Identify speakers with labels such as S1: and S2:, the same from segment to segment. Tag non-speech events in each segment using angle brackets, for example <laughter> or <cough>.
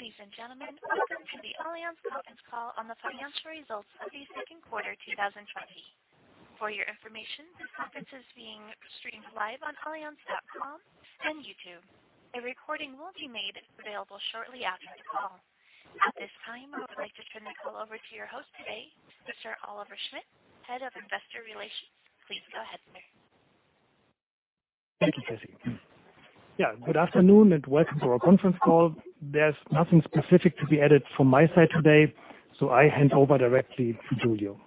S1: Ladies and gentlemen, welcome to the Allianz Conference Call on the financial results of the second quarter 2020. For your information, this conference is being streamed live on allianz.com and YouTube. A recording will be made available shortly after the call. At this time, I would like to turn the call over to your host today, Mr. Oliver Schmidt, Head of Investor Relations. Please go ahead, sir.
S2: Thank you, Tracy. Yeah, good afternoon, and welcome to our conference call. There's nothing specific to be added from my side today. I hand over directly to Giulio Terzariol.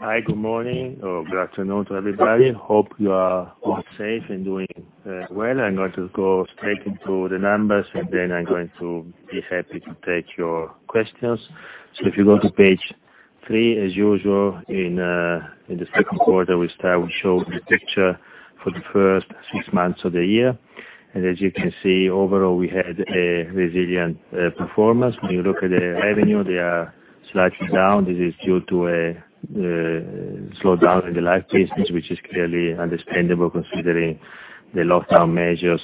S3: Hi, good morning, or good afternoon to everybody. Hope you are all safe and doing well. I'm going to go straight into the numbers, then I'm going to be happy to take your questions. If you go to page three, as usual, in the second quarter, we start with showing the picture for the first six months of the year. As you can see, overall, we had a resilient performance. When you look at the revenue, they are slightly down. This is due to a slowdown in the life business, which is clearly understandable considering the lockdown measures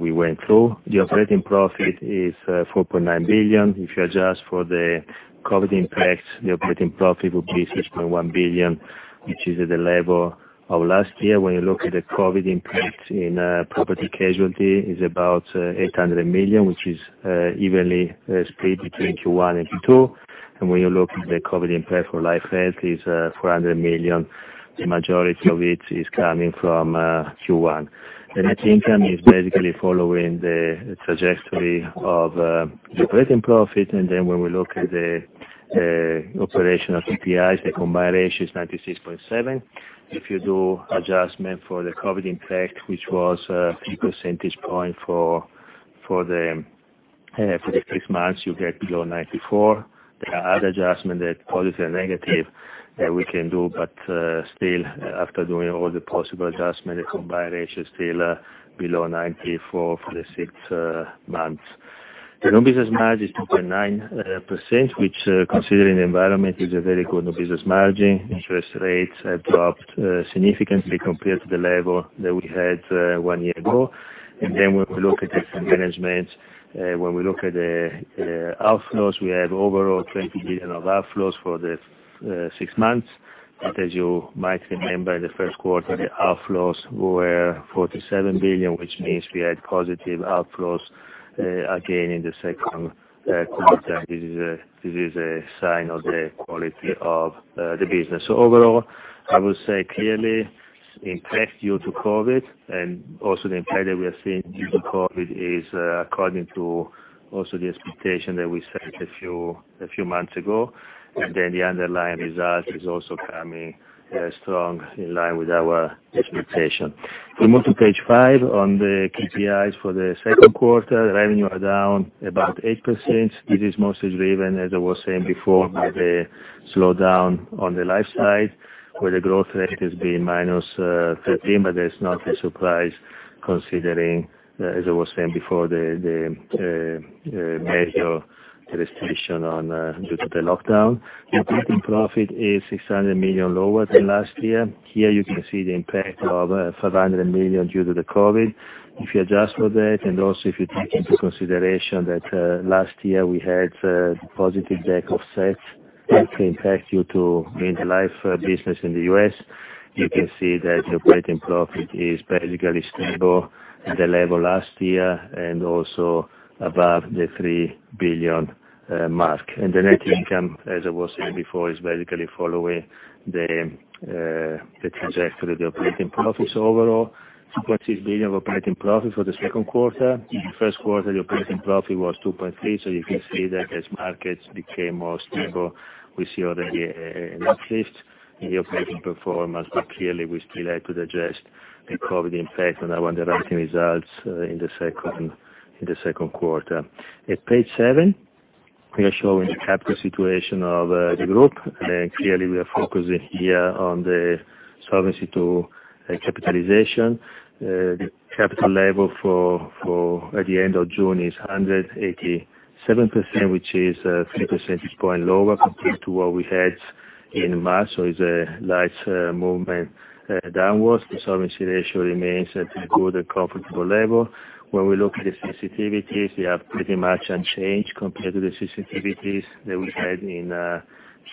S3: we went through. The operating profit is 4.9 billion. If you adjust for the COVID impact, the operating profit would be 6.1 billion, which is at the level of last year. When you look at the COVID impact in property casualty, it is about 800 million, which is evenly split between Q1 and Q2. When you look at the COVID impact for Life Health, it is 400 million. The majority of it is coming from Q1. The net income is basically following the trajectory of the operating profit. When we look at the operational KPIs, the combined ratio is 96.7%. If you do adjustment for the COVID impact, which was three percentage point for the six months, you get below 94%. There are other adjustments that are positive and negative that we can do, but still, after doing all the possible adjustments, the combined ratio is still below 94% for the six months. The new business margin is 2.9%, which considering the environment, is a very good new business margin. Interest rates have dropped significantly compared to the level that we had one year ago. When we look at the fund management, when we look at the outflows, we have overall 20 billion of outflows for the six months. As you might remember, in the first quarter, the outflows were 47 billion, which means we had positive outflows again in the second quarter. This is a sign of the quality of the business. Overall, I would say clearly impact due to COVID, also the impact that we are seeing due to COVID is according to also the expectation that we set a few months ago, the underlying result is also coming strong in line with our expectation. If we move to page five on the KPIs for the second quarter, the revenue are down about 8%. This is mostly driven, as I was saying before, by the slowdown on the life side, where the growth rate has been -13%, but that's not a surprise considering, as I was saying before, the major restriction due to the lockdown. The operating profit is 600 million lower than last year. Here you can see the impact of 500 million due to the COVID. If you adjust for that, and also if you take into consideration that last year we had a positive DAC offset impact due to in the life business in the U.S., you can see that the operating profit is basically stable at the level last year and also above the 3 billion mark. The net income, as I was saying before, is basically following the trajectory of the operating profits. Overall, 2.6 billion of operating profit for the second quarter. In the first quarter, the operating profit was 2.3 billion. You can see that as markets became more stable, we see already a uplift in the operating performance. Clearly, we still had to digest the COVID impact on our underwriting results in the second quarter. At page seven, we are showing the capital situation of the group. Clearly, we are focusing here on the Solvency II capitalization. The capital level at the end of June is 187%, which is three percentage point lower compared to what we had in March. It's a light movement downwards. The solvency ratio remains at a good and comfortable level. When we look at the sensitivities, they are pretty much unchanged compared to the sensitivities that we had in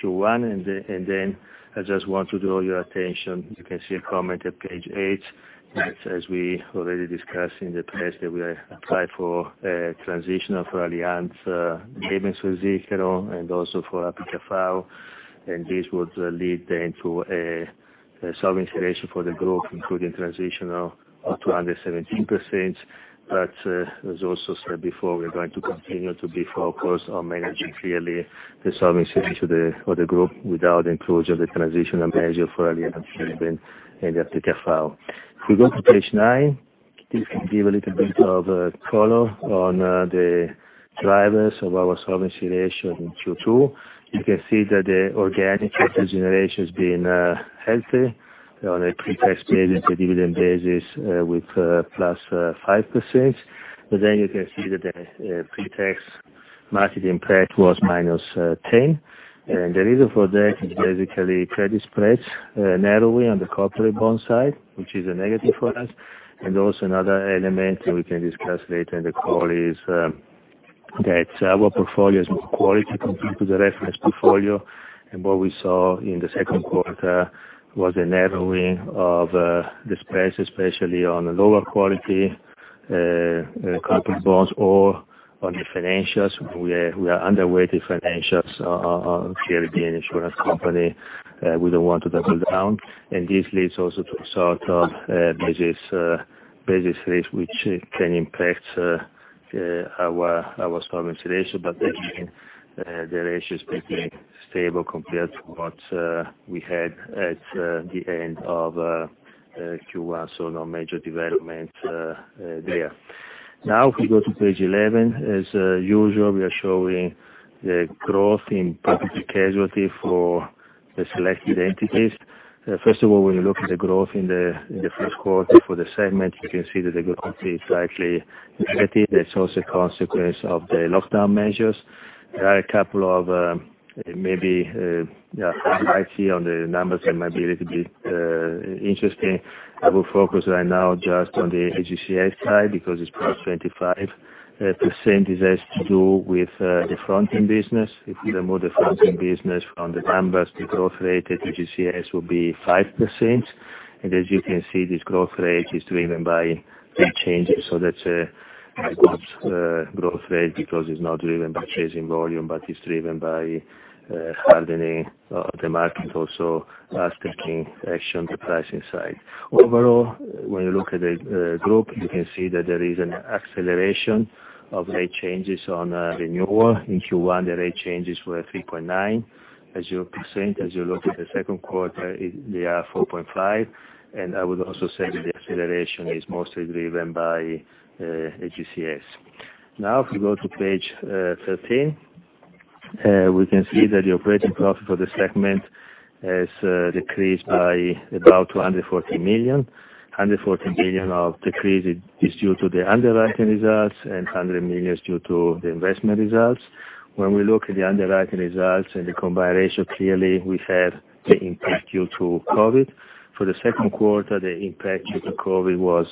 S3: Q1. Then, I just want to draw your attention, you can see a comment at page eight, that as we already discussed in the press, that we applied for transitional for Allianz Lebensversicherungen and also for APKV. This would lead to a solvency ratio for the group, including transitional up to 117%. As also said before, we're going to continue to be focused on managing clearly the solvency ratio for the group without the inclusion of the transitional measure for Allianz Lebens and the APKV. We go to page nine, this will give a little bit of color on the drivers of our solvency ratio in Q2. You can see that the organic capital generation has been healthy on a pre-tax basis, a dividend basis with plus 5%. You can see that the pre-tax market impact was -10%. The reason for that is basically credit spreads narrowing on the corporate bond side, which is a negative for us. Also another element that we can discuss later in the call is that our portfolio is more quality compared to the reference portfolio. What we saw in the second quarter was a narrowing of the spreads, especially on the lower quality corporate bonds or on the financials. We are underweight in financials, clearly being an insurance company, we don't want to double down. This leads also to a sort of basis risk, which can impact our solvency ratio. Again, the ratio is pretty stable compared to what we had at the end of Q1, so no major development there. Now, if we go to page 11, as usual we are showing the growth in property casualty for the selected entities. First of all, when you look at the growth in the first quarter for the segment, you can see that the growth is slightly negative. That's also a consequence of the lockdown measures. There are a couple of maybe highlights here on the numbers that might be a little bit interesting. I will focus right now just on the AGCS side, because it's plus 25%. This has to do with the fronting business. If we remove the fronting business from the numbers, the growth rate at AGCS will be 5%. As you can see, this growth rate is driven by rate changes. That's a good growth rate because it's not driven by chasing volume, but it's driven by hardening of the market, also us taking action, the pricing side. Overall, when you look at the group, you can see that there is an acceleration of rate changes on renewal. In Q1, the rate changes were 3.9%. As you look at the second quarter, they are 4.5%. I would also say that the acceleration is mostly driven by AGCS. Now, if we go to page 13, we can see that the operating profit for the segment has decreased by about 240 million. 140 million of decrease is due to the underwriting results and 100 million is due to the investment results. When we look at the underwriting results and the combined ratio, clearly we have the impact due to COVID. For the second quarter, the impact due to COVID was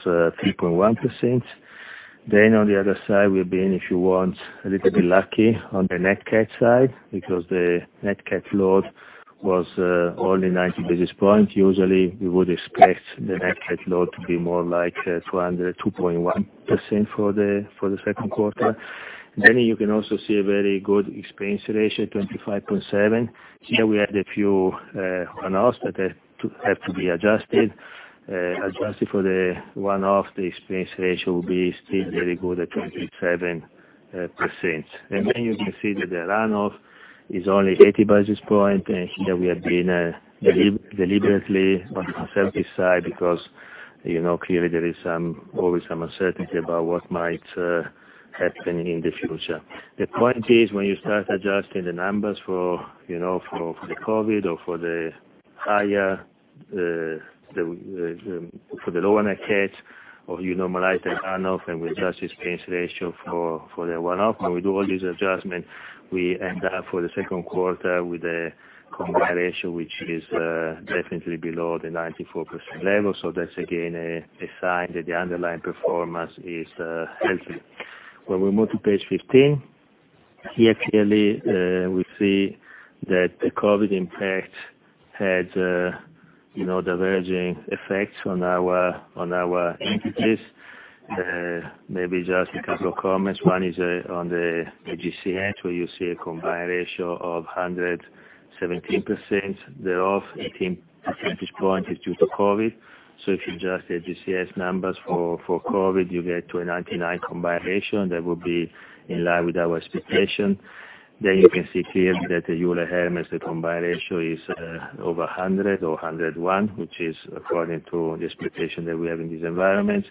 S3: 3.1%. Then, on the other side, we've been, if you want, a little bit lucky on the net CAT side, because the net CAT load was only 90 basis points. Usually, we would expect the net CAT load to be more like 2.1% for the second quarter. Then, you can also see a very good expense ratio, 25.7%. Here we had a few one-offs that have to be adjusted. Adjusted for the one-off, the expense ratio will be still very good at 27%. You can see that the run-off is only 80 basis point, and here we have been deliberately on the conservative side because clearly there is always some uncertainty about what might happen in the future. The point is, when you start adjusting the numbers for the COVID or for the lower net CAT, or you normalize the run-off and we adjust expense ratio for the one-off, when we do all these adjustments, we end up for the second quarter with a combined ratio which is definitely below the 94% level. That's again a sign that the underlying performance is healthy. When we move to page 15, here clearly we see that the COVID impact had diverging effects on our entities. Maybe just a couple of comments. One is on the AGCS where you see a combined ratio of 117%, thereof 18 percentage point is due to COVID. If you adjust the AGCS numbers for COVID, you get to a 99 combined ratio. That would be in line with our expectation. There, you can see clearly that Euler Hermes, the combined ratio is over 100 or 101, which is according to the expectation that we have in this environment.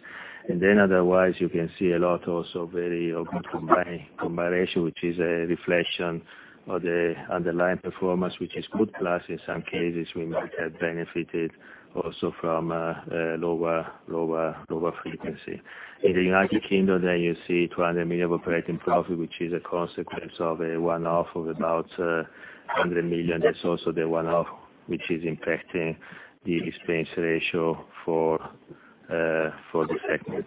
S3: Otherwise, you can see a lot also very open combined ratio, which is a reflection of the underlying performance, which is good plus in some cases, we might have benefited also from lower frequency. In the United Kingdom, there you see 200 million of operating profit, which is a consequence of a one-off of about 100 million. That's also the one-off which is impacting the expense ratio for the segment.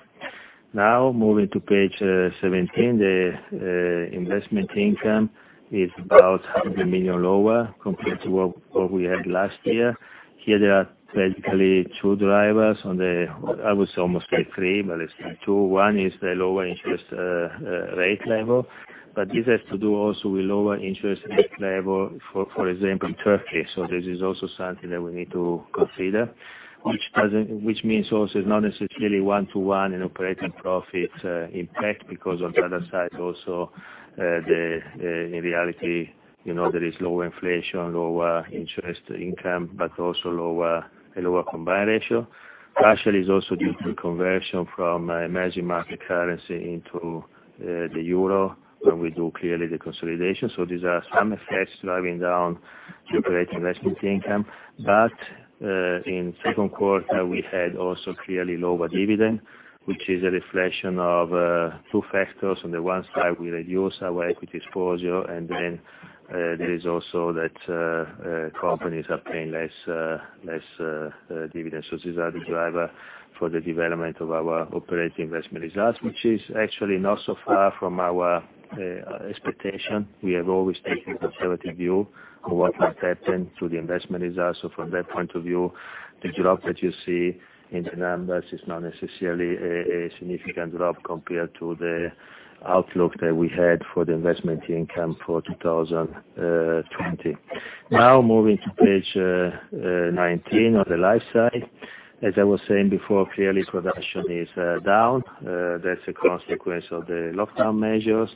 S3: Now, moving to page 17, the investment income is about 100 million lower compared to what we had last year. Here there are technically two drivers on the, I would say almost say three, but let's say two. One is the lower interest rate level, but this has to do also with lower interest rate level, for example, in Turkey. This is also something that we need to consider, which means also it's not necessarily one-to-one in operating profit impact because on the other side also, in reality, there is lower inflation, lower interest income, but also a lower combined ratio. Actually, it's also due to conversion from emerging market currency into the euro when we do clearly the consolidation. These are some effects driving down the operating investment income. In second quarter, we had also clearly lower dividend, which is a reflection of two factors. On the one side, we reduced our equity exposure, and then there is also that companies are paying less dividends. These are the driver for the development of our operating investment results, which is actually not so far from our expectation. We have always taken a conservative view of what might happen to the investment results. From that point of view, the drop that you see in the numbers is not necessarily a significant drop compared to the outlook that we had for the investment income for 2020. Now moving to page 19 on the life side. As I was saying before, clearly production is down. That's a consequence of the lockdown measures.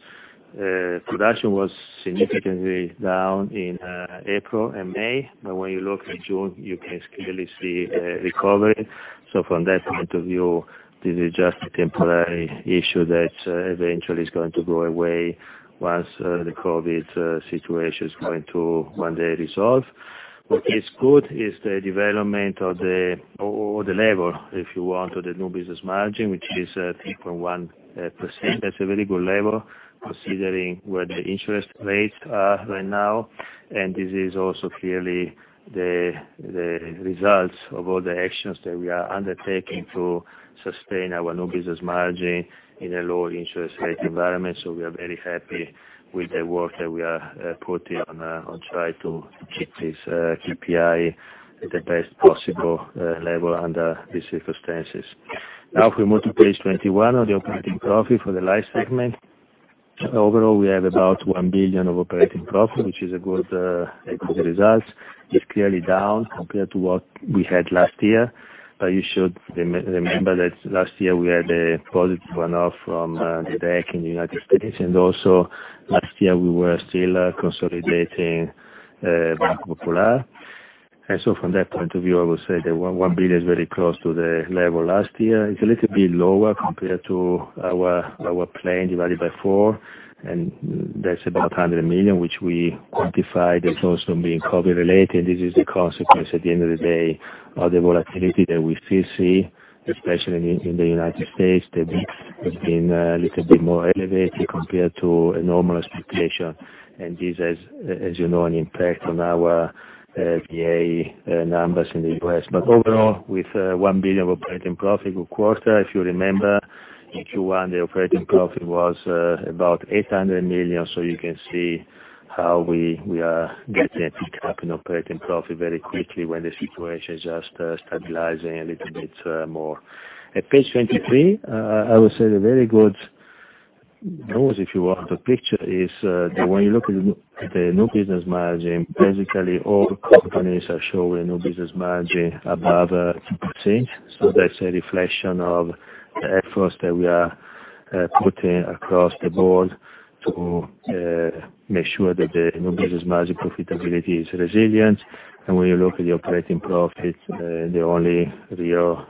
S3: Production was significantly down in April and May. When you look at June, you can clearly see a recovery. From that point of view, this is just a temporary issue that eventually is going to go away once the COVID situation is going to one day resolve. What is good is the development of the level, if you want, of the new business margin, which is 3.1%. That's a very good level considering where the interest rates are right now. This is also clearly the results of all the actions that we are undertaking to sustain our new business margin in a low interest rate environment. We are very happy with the work that we are putting on try to keep this KPI at the best possible level under these circumstances. Now, if we move to page 21 on the operating profit for the life segment. Overall, we have about 1 billion of operating profit, which is a good equity result. It's clearly down compared to what we had last year. You should remember that last year we had a positive one-off from the DAC in the United States, and also last year we were still consolidating Banco Popular. From that point of view, I would say that 1 billion is very close to the level last year. It's a little bit lower compared to our plan divided by four, and that's about 100 million, which we quantify that's also being COVID related. This is a consequence, at the end of the day, of the volatility that we still see, especially in the U.S., that has been a little bit more elevated compared to a normal expectation. This has, as you know, an impact on our DAC numbers in the U.S. Overall, with 1 billion of operating profit, it was a good quarter. If you remember, in Q1, the operating profit was about 800 million. You can see how we are getting a pickup in operating profit very quickly when the situation is just stabilizing a little bit more. At page 23, I would say the very good news, if you want, the picture is that when you look at the new business margin, basically all companies are showing new business margin above 10%. That's a reflection of the efforts that we are putting across the board to make sure that the new business margin profitability is resilient. When you look at the operating profit, the only real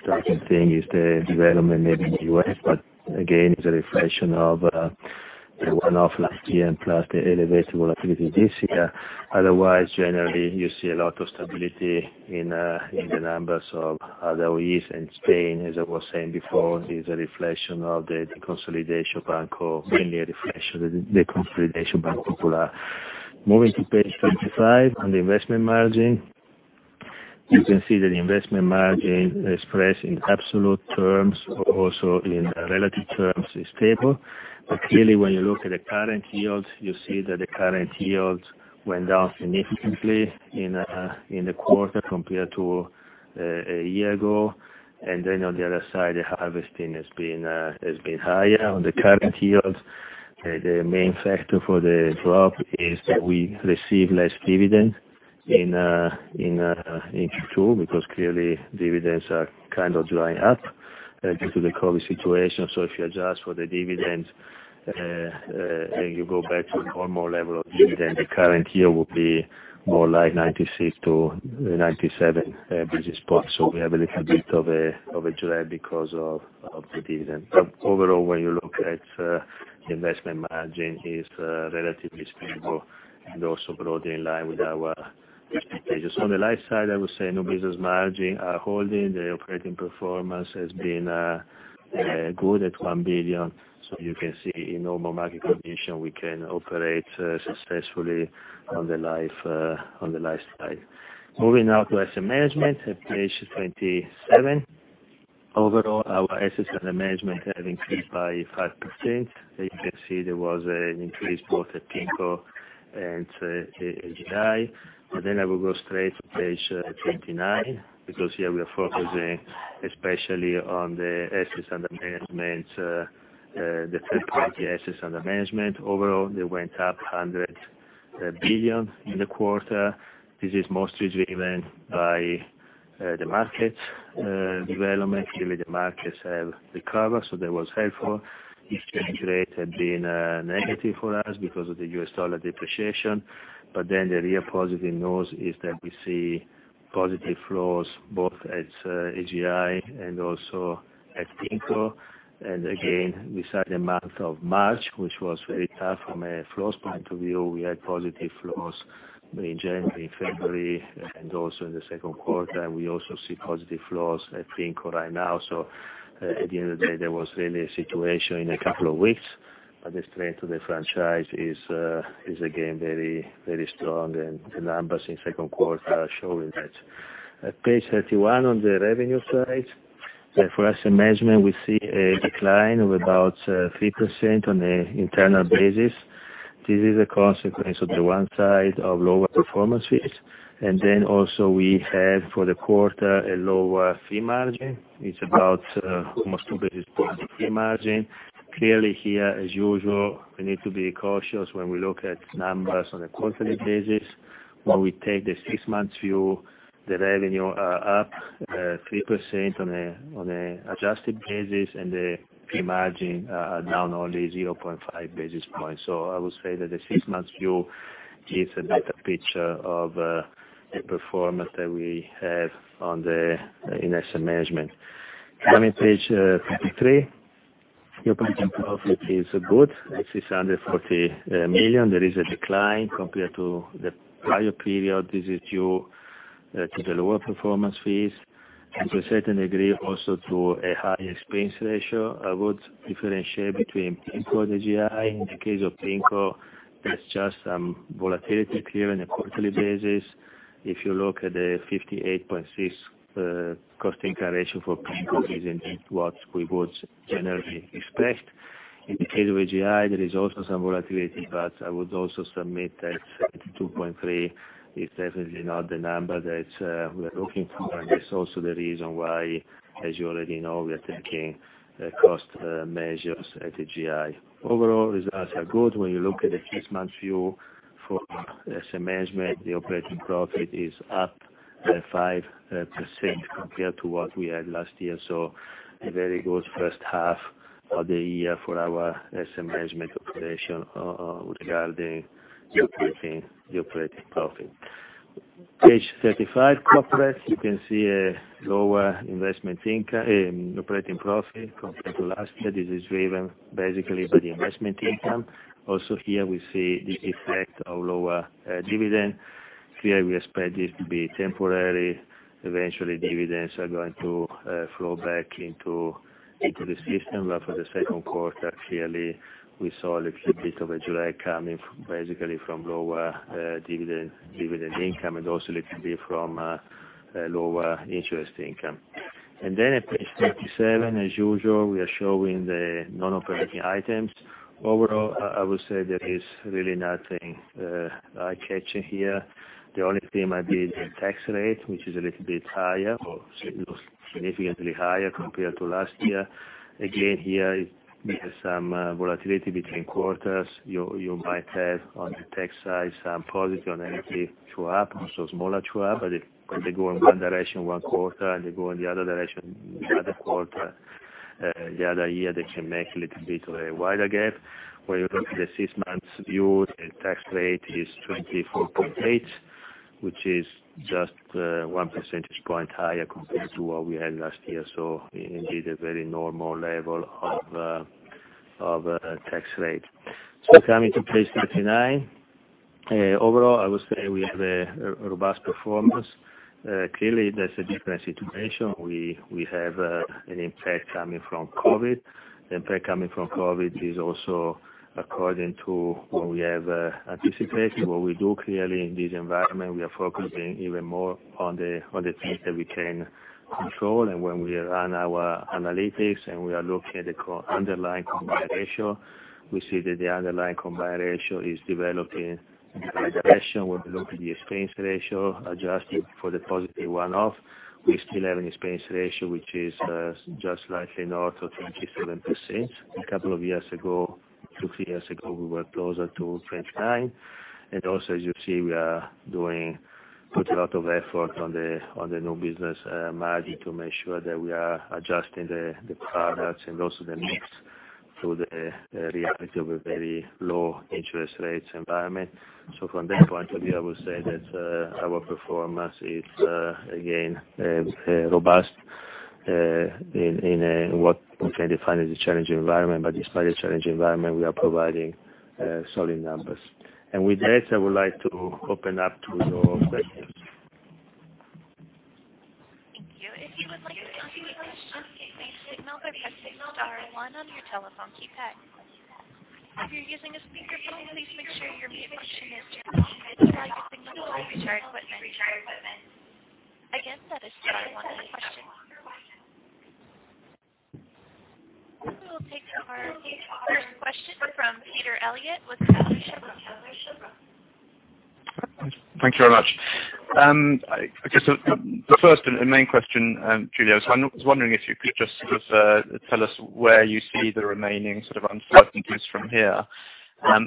S3: striking thing is the development maybe in the U.S., but again, it's a reflection of the one-off last year and plus the elevated volatility this year. Otherwise, generally, you see a lot of stability in the numbers of <inaudible> and Spain As I was saying before, it is a reflection of the deconsolidation Banco, mainly a reflection of the deconsolidation Banco Popular. Moving to page 25, on the investment margin. You can see that the investment margin expressed in absolute terms, also in relative terms, is stable. Clearly, when you look at the current yields, you see that the current yields went down significantly in the quarter compared to a year ago. Then, on the other side, the harvesting has been higher on the current yields. The main factor for the drop is that we receive less dividend in Q2, because clearly dividends are kind of drying up due to the COVID situation. If you adjust for the dividend, and you go back to a normal level of dividend, the current year will be more like 96 to 97 basis points. We have a little bit of a drag because of the dividend. Overall, when you look at the investment margin is relatively stable and also broadly in line with our expectations. On the life side, I would say new business margin are holding. The operating performance has been good at 1 billion. You can see in normal market condition, we can operate successfully on the life side. Moving now to asset management at page 27. Overall, our assets under management have increased by 5%. As you can see, there was an increase both at PIMCO and AGI. I will go straight to page 29, because here we are focusing especially on the group assets under management. Overall, they went up 100 billion in the quarter. This is mostly driven by the market development. Clearly, the markets have recovered, so that was helpful. Exchange rate had been negative for us because of the U.S. dollar depreciation, but then the real positive news is that we see positive flows both at AGI and also at PIMCO. Again, beside the month of March, which was very tough from a flows point of view, we had positive flows in January, February, and also in the second quarter. We also see positive flows at PIMCO right now. At the end of the day, there was really a situation in a couple of weeks. The strength of the franchise is again, very strong, and the numbers in second quarter are showing that. Page 31 on the revenue side, for asset management, we see a decline of about 3% on a internal basis. This is a consequence of the one side of lower performance fees. Also, we have, for the quarter, a lower fee margin. It's about almost 2 basis points of fee margin. Clearly here, as usual, we need to be cautious when we look at numbers on a quarterly basis. When we take the six month view, the revenue are up 3% on an adjusted basis. The fee margin are down only 0.5 basis points. I would say that the six month view gives a better picture of the performance that we have on the asset management. On page 33, operating profit is good. It's 640 million. There is a decline compared to the prior period. This is due to the lower performance fees. To a certain degree, also to a higher expense ratio. I would differentiate between PIMCO and AGI. In the case of PIMCO, that's just some volatility here on a quarterly basis. If you look at the 58.6 cost income ratio for PIMCO, isn't what we would generally expect. In the case of AGI, there is also some volatility, but I would also submit that 82.3 is definitely not the number that we are looking for. That's also the reason why, as you already know, we are taking cost measures at AGI. Overall, results are good. When you look at the six month view for asset management, the operating profit is up 5% compared to what we had last year. A very good first half of the year for our asset management operation regarding the operating profit. Page 35, Corporate. You can see a lower investment income and operating profit compared to last year. This is driven basically by the investment income. Also, here we see the effect of lower dividend. Here we expect this to be temporary. Eventually, dividends are going to flow back into the system. For the second quarter, clearly we saw a little bit of a drag coming basically from lower dividend income and also a little bit from lower interest income. Then at page 37, as usual, we are showing the non-operating items. Overall, I would say there is really nothing eye-catching here. The only thing might be the tax rate, which is a little bit higher, or significantly higher compared to last year. Again, here is some volatility between quarters. You might have on the tax side, some [volatility] show up, also <inaudible> show up, but they go in one direction one quarter, and they go in the other direction the other quarter. The other year, they can make a little bit of a wider gap. When you look at the six months view, the tax rate is 24.8%, which is just one percentage point higher compared to what we had last year. Indeed, a very normal level of tax rate. Coming to page 39. Overall, I would say we have a robust performance. Clearly, there's a different situation. We have an impact coming from COVID. Impact coming from COVID is also according to what we have anticipated. What we do, clearly in this environment, we are focusing even more on the things that we can control. When we run our analytics and we are looking at the core underlying combined ratio, we see that the underlying combined ratio is developing in the right direction. When we look at the expense ratio adjusted for the positive one-off, we still have an expense ratio which is just slightly north of 27%. A couple of years ago, two, three years ago, we were closer to 29%. Also, as you see, we are doing put a lot of effort on the new business margin to make sure that we are adjusting the products and also the mix to the reality of a very low interest rates environment. From that point of view, I would say that our performance is again, robust, in what we can define as a challenging environment, but despite a challenging environment, we are providing solid numbers. With this, I would like to open up to your questions.
S1: Thank you. If you would like to ask any questions, please signal by pressing star one on your telephone keypad. If you're using a speakerphone, please make sure your mute function is turned off to allow your signal to reach our equipment. Again, that is star one to question. We will take our first question from Peter Eliot with Kepler Cheuvreux.
S4: Thank you very much. I guess the first and main question, Giulio Terzariol, I was wondering if you could just sort of tell us where you see the remaining sort of uncertainties from here. I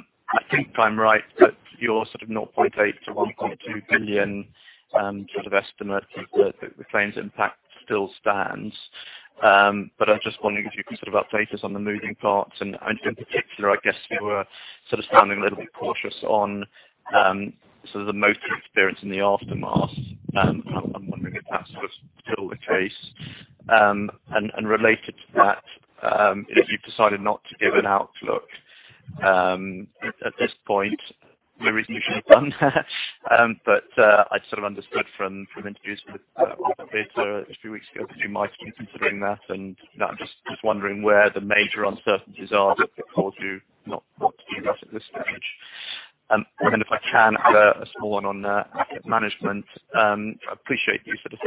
S4: think I'm right that your sort of 0.8 billion-1.2 billion sort of estimate of the claims impact still stands, but I'm just wondering if you can sort of update us on the moving parts and in particular, I guess you were sort of sounding a little bit cautious on sort of the motor experience in the aftermath. I'm wondering if that's sort of still the case. Related to that, if you decided not to give an outlook at this point, the resolution fund. I sort of understood from interviews with a few weeks ago that you might be considering that, and I'm just wondering where the major uncertainties are that would cause you not to do that at this stage. Then if I can, a small one on asset management. I appreciate you said,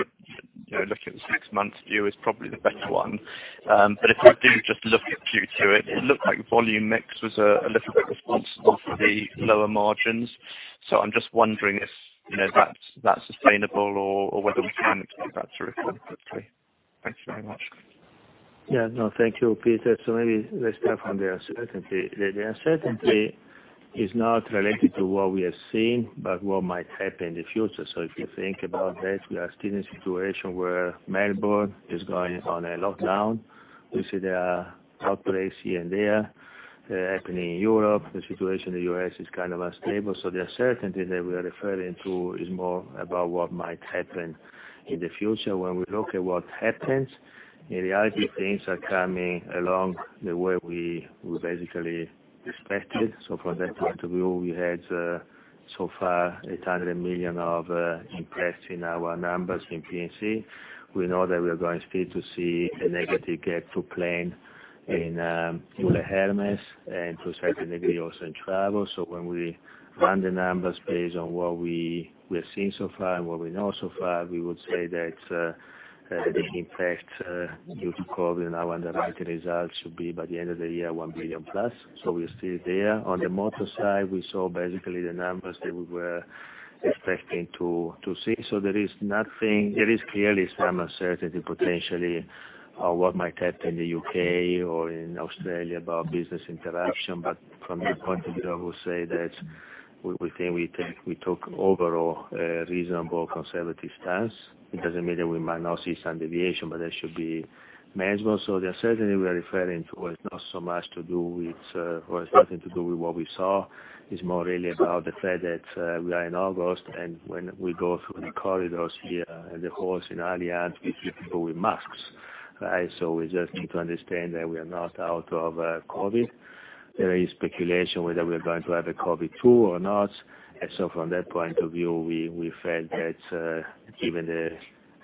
S4: looking at the six months view is probably the better one, but if we do just look Q2, it looked like volume mix was a little bit responsible for the lower margins. I'm just wondering if that's sustainable or whether we can expect that to recover quickly. Thanks very much.
S3: No, thank you, Peter Eliot. Maybe let's start from the uncertainty. The uncertainty is not related to what we are seeing, but what might happen in the future. If you think about that, we are still in a situation where Melbourne is going on a lockdown. We see there are outbreaks here and there happening in Europe. The situation in the U.S. is kind of unstable. The uncertainty that we are referring to is more about what might happen in the future. When we look at what happened, in reality, things are coming along the way we basically expected. From that point of view, we had so far 800 million of impact in our numbers in P&C. We know that we are going still to see a negative get-to-plane in Euler Hermes and possibly maybe also in travel. When we run the numbers based on what we have seen so far and what we know so far, we would say that the impact due to COVID on our underwriting results should be by the end of the year, 1 billion plus. We are still there. On the motor side, we saw basically the numbers that we were expecting to see. There is clearly some uncertainty potentially on what might happen in the U.K. or in Australia about business interaction. From that point of view, I would say that we think we took overall a reasonable conservative stance. It doesn't mean that we might not see some deviation, but that should be manageable. The uncertainty we are referring to has nothing to do with what we saw. It's more really about the fact that we are in August, and when we go through the corridors here at the halls in Allianz, we see people with masks. We just need to understand that we are not out of COVID. There is speculation whether we are going to have a COVID-2 or not. From that point of view, we felt that given the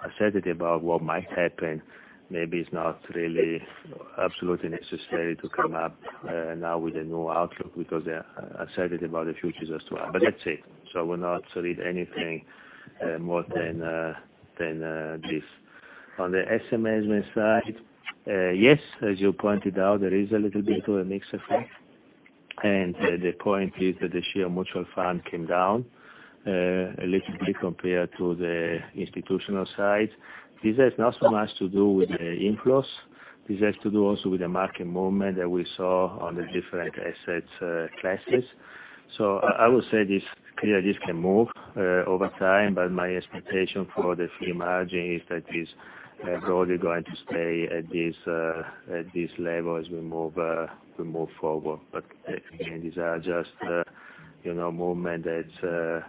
S3: uncertainty about what might happen, maybe it's not really absolutely necessary to come up now with a new outlook because they're uncertain about the future. That's it. I will not say anything more than this. On the asset management side, yes, as you pointed out, there is a little bit of a mix effect. The point is that the share mutual fund came down a little bit compared to the institutional side. This has not so much to do with the inflows. This has to do also with the market movement that we saw on the different asset classes. I would say this clearly this can move over time, but my expectation for the fee margin is that it is broadly going to stay at this level as we move forward. These are just movement that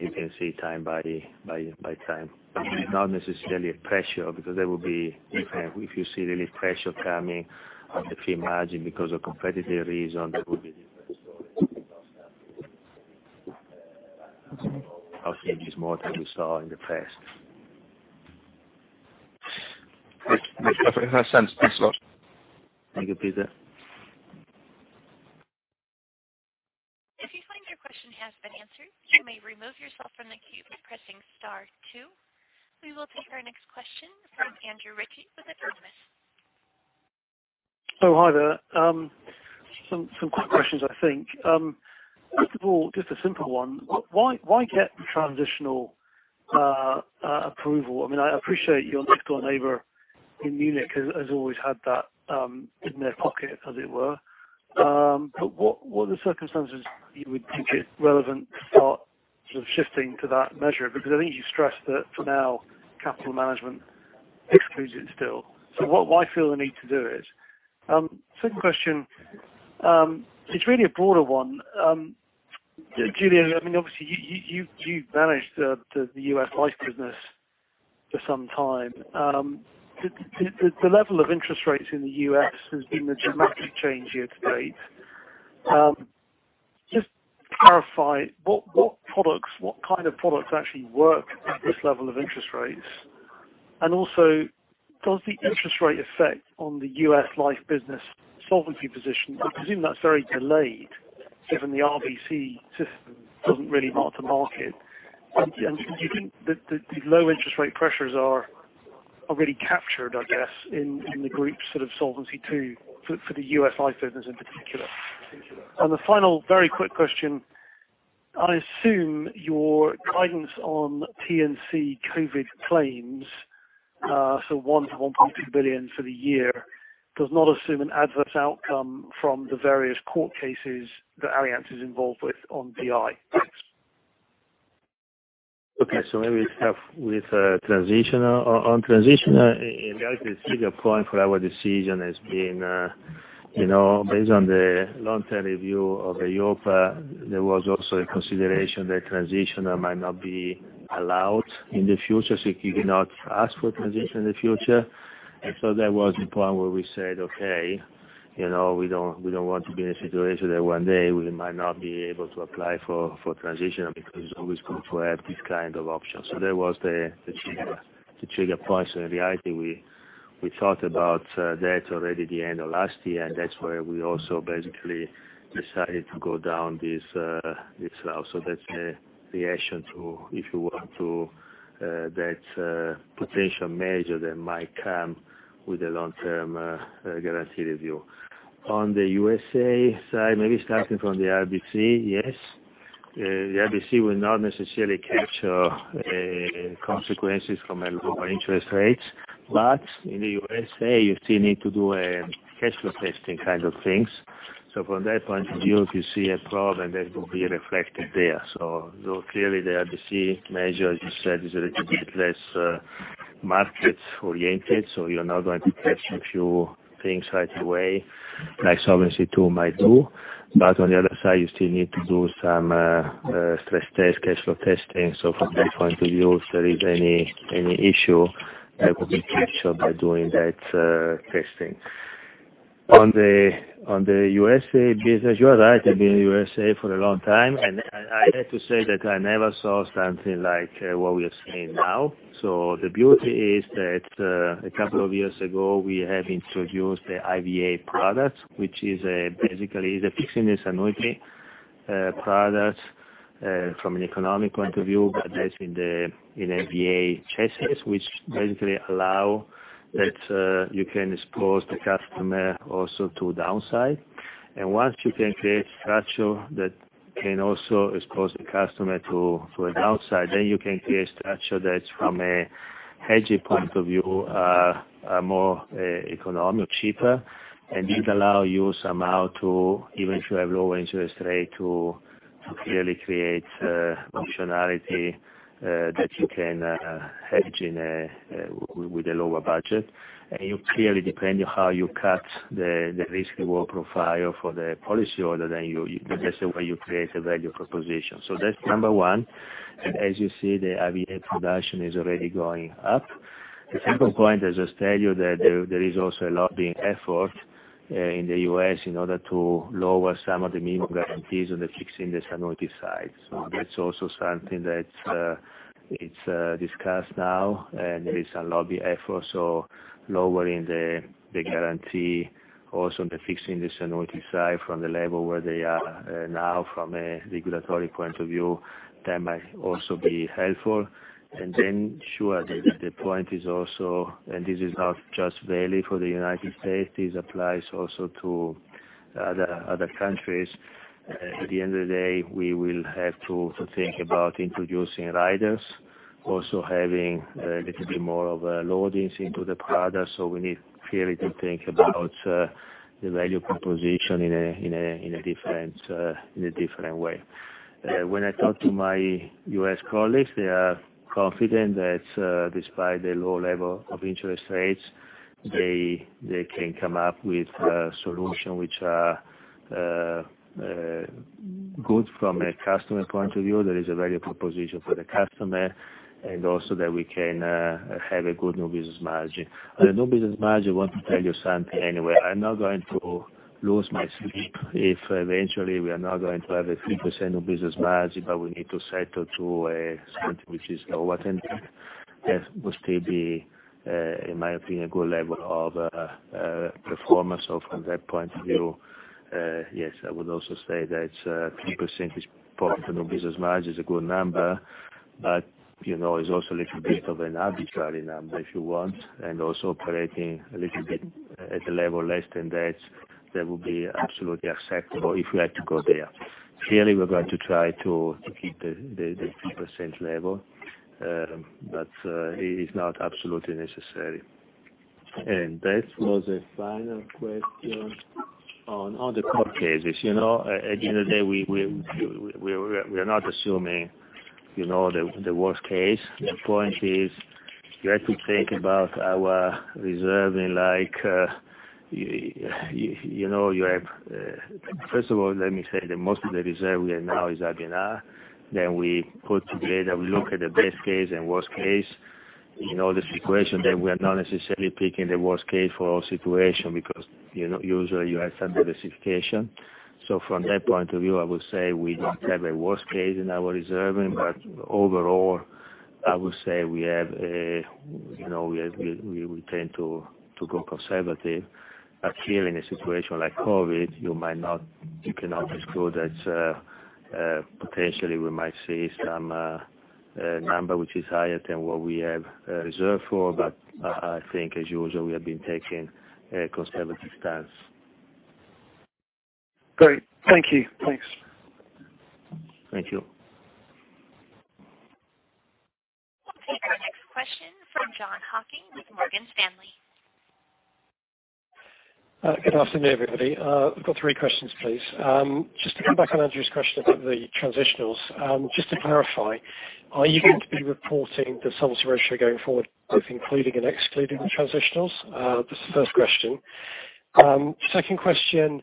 S3: you can see time by time. It's not necessarily a pressure because there will be impact, if you see really pressure coming on the fee margin because of competitive reasons, that would be a different story.
S4: Okay.
S3: I think it's more than we saw in the past.
S4: That makes perfect sense. Thanks a lot.
S3: Thank you, Peter Eliot.
S1: If you find your question has been answered, you may remove yourself from the queue by pressing star two. We will take our next question from Andrew Ritchie with Autonomous Research.
S5: Oh, hi there. Some quick questions, I think. First of all, just a simple one. Why get transitional approval? I appreciate your next door neighbor in Munich has always had that in their pocket, as it were. What are the circumstances you would think it relevant to start sort of shifting to that measure? Because I think you stressed that for now, capital management excludes it still. Why feel the need to do it? Second question, it's really a broader one. Giulio Terzariol, obviously, you've managed the U.S. life business for some time. The level of interest rates in the U.S. has been a dramatic change year-to-date. Just to clarify, what kind of products actually work at this level of interest rates? Also, does the interest rate affect on the U.S. life business solvency position? I presume that's very delayed, given the RBC system doesn't really mark to market. Do you think that the low interest rate pressures are already captured, I guess, in the group sort of Solvency II, for the U.S. life business in particular? The final very quick question. I assume your guidance on P&C COVID claims, so 1 billion-1.2 billion for the year, does not assume an adverse outcome from the various court cases that Allianz is involved with on BI.
S3: Okay. Maybe start with transitional. On transitional, in reality, the bigger point for our decision has been, you know, based on the long-term review of EIOPA, there was also a consideration that transitional might not be allowed in the future, so if you do not ask for transition in the future. That was the point where we said, "Okay, we don't want to be in a situation that one day we might not be able to apply for transition because it's always good to have this kind of option." That was the trigger point. In reality, we thought about that already at the end of last year, and that's where we also basically decided to go down this route. That's a reaction to, if you want to, that potential measure that might come with the long-term guarantee review. On the U.S.A. side, maybe starting from the RBC, yes. The RBC will not necessarily capture consequences from a lower interest rate, but in the U.S.A., you still need to do a cash flow testing kind of things. From that point of view, if you see a problem, that will be reflected there. Clearly the RBC measure, as you said, is a little bit less market-oriented, so you're not going to catch a few things right away, like Solvency II might do. On the other side, you still need to do some stress test, cash flow testing. From that point of view, if there is any issue, that will be captured by doing that testing. On the U.S.A. business, you are right. I've been in U.S.A. for a long time, and I have to say that I never saw something like what we are seeing now. The beauty is that a couple of years ago, we have introduced the IVA product, which is basically the fixed index annuity product from an economic point of view, but that's in the IVA chassis, which basically allow that you can expose the customer also to downside. Once you can create structure that can also expose the customer to a downside, then you can create structure that's from a hedging point of view, more economic, cheaper. It allow you somehow to, even if you have lower interest rate, to clearly create functionality that you can hedge with a lower budget. It clearly depend on how you cut the risky work profile for the policyholder, then that's the way you create a value proposition. That's number one. As you see, the IVA production is already going up. The second point is I tell you that there is also a lobbying effort in the U.S. in order to lower some of the minimum guarantees on the fixed index annuity side. That's also something that it's discussed now, and there is a lobby effort. Lowering the guarantee also on the fixed index annuity side from the level where they are now from a regulatory point of view, that might also be helpful. Sure, the point is also, and this is not just valid for the United States, this applies also to other countries. At the end of the day, we will have to think about introducing riders, also having a little bit more of a loadings into the product. We need clearly to think about the value proposition in a different way. When I talk to my U.S. colleagues, they are confident that despite the low level of interest rates, they can come up with solutions which are good from a customer point of view. There is a value proposition for the customer, and also that we can have a good new business margin. On the new business margin, I want to tell you something anyway. I'm not going to lose my sleep if eventually we are not going to have a 3% new business margin, but we need to settle to something which is lower than that. That will still be, in my opinion, a good level of performance. From that point of view, yes, I would also say that 3% is important. New business margin is a good number, but it's also a little bit of an arbitrary number, if you want, and also operating a little bit at the level less than that that would be absolutely acceptable if we had to go there. Clearly, we're going to try to keep the 3% level, but it is not absolutely necessary. That was the final question on the core cases. At the end of the day, we are not assuming the worst case. The point is, you have to think about our reserving like, first of all, let me say that most of the reserve we have now is IBNR. We put together, we look at the best case and worst case. In all the situation, then we are not necessarily picking the worst case for all situation because usually you have some diversification. From that point of view, I would say we don't have a worst case in our reserving. Overall, I would say we tend to go conservative. Clearly in a situation like COVID, you cannot exclude that potentially we might see some number which is higher than what we have reserved for, but I think as usual, we have been taking a conservative stance.
S5: Great. Thank you. Thanks.
S3: Thank you.
S1: Okay. Our next question from Jon Hocking with Morgan Stanley.
S6: Good afternoon, everybody. I've got three questions, please. To come back on Andrew Ritchie's question about the transitionals. Just to clarify, are you going to be reporting the solvency ratio going forward, both including and excluding the transitionals? That's the first question. Second question,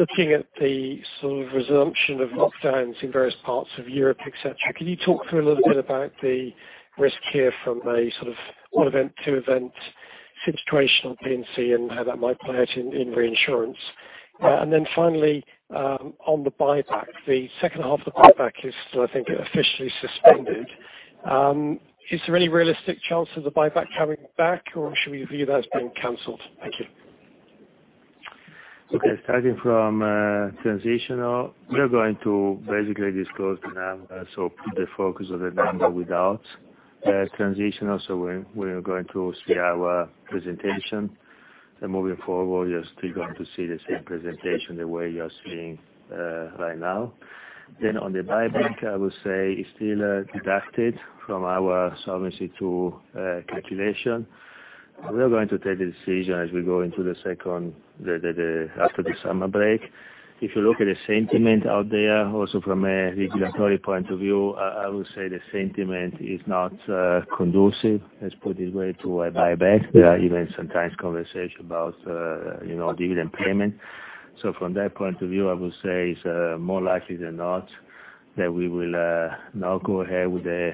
S6: looking at the sort of resumption of lockdowns in various parts of Europe, et cetera, can you talk through a little bit about the risk here from a sort of one event to event situational P&C and how that might play out in reinsurance? Finally, on the buyback, the second half of the buyback is still, I think, officially suspended. Is there any realistic chance of the buyback coming back, or should we view that as being canceled? Thank you.
S3: Starting from transitional, we are going to basically disclose the number, so put the focus on the number without transitional. We are going to see our presentation, and moving forward, you're still going to see the same presentation the way you are seeing right now. Then, on the buyback, I would say it's still deducted from our Solvency II calculation. We are going to take the decision as we go into the second, after the summer break. If you look at the sentiment out there, also from a regulatory point of view, I would say the sentiment is not conducive, let's put it that way, to a buyback. There are even sometimes conversations about dividend payment. From that point of view, I would say it's more likely than not that we will not go ahead with the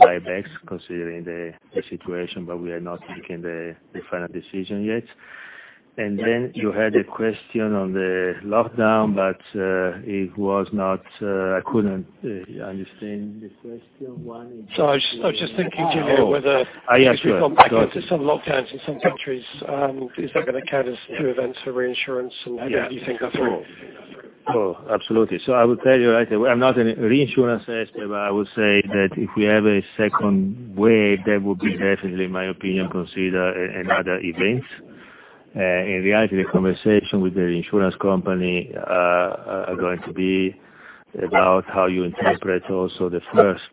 S3: buybacks considering the situation, but we have not taken the final decision yet. Then, you had a question on the lockdown, but I couldn't understand the first one.
S6: I was just thinking to do whether -- if we go back into some lockdowns in some countries, is that going to count as two events for reinsurance? How do you think that through?
S3: Oh, absolutely. I will tell you, I'm not a reinsurance expert, but I would say that if we have a second wave, that would be definitely, in my opinion, consider another event. In reality, the conversation with the reinsurance company are going to be about how you interpret also the first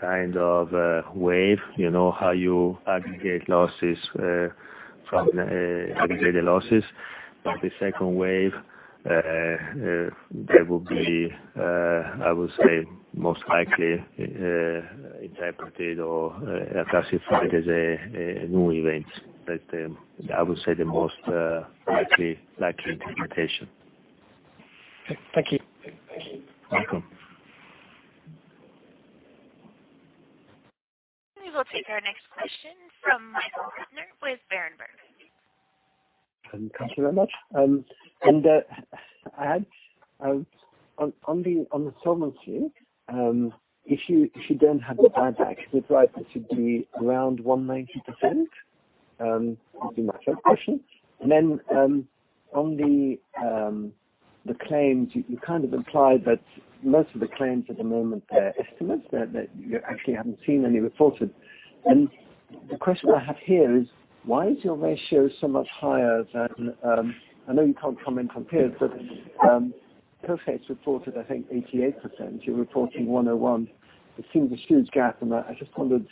S3: kind of wave. How you aggregate losses from aggregated losses. The second wave, that would be, I would say most likely interpreted or classified as a new event. I would say the most likely interpretation.
S6: Okay. Thank you.
S3: You're welcome.
S1: We will take our next question from Michael Huttner with Berenberg.
S7: Thank you very much and to add, on the solvency, if you don't have the buyback, is it right that should be around 190%? This is my first question. Then, on the claims, you kind of implied that most of the claims at the moment are estimates, that you actually haven't seen any reported. The question I have here is, why is your ratio so much higher than I know you can't comment on peers, but Coface reported, I think, 88%. You're reporting 101%. It seems a huge gap, and I just wondered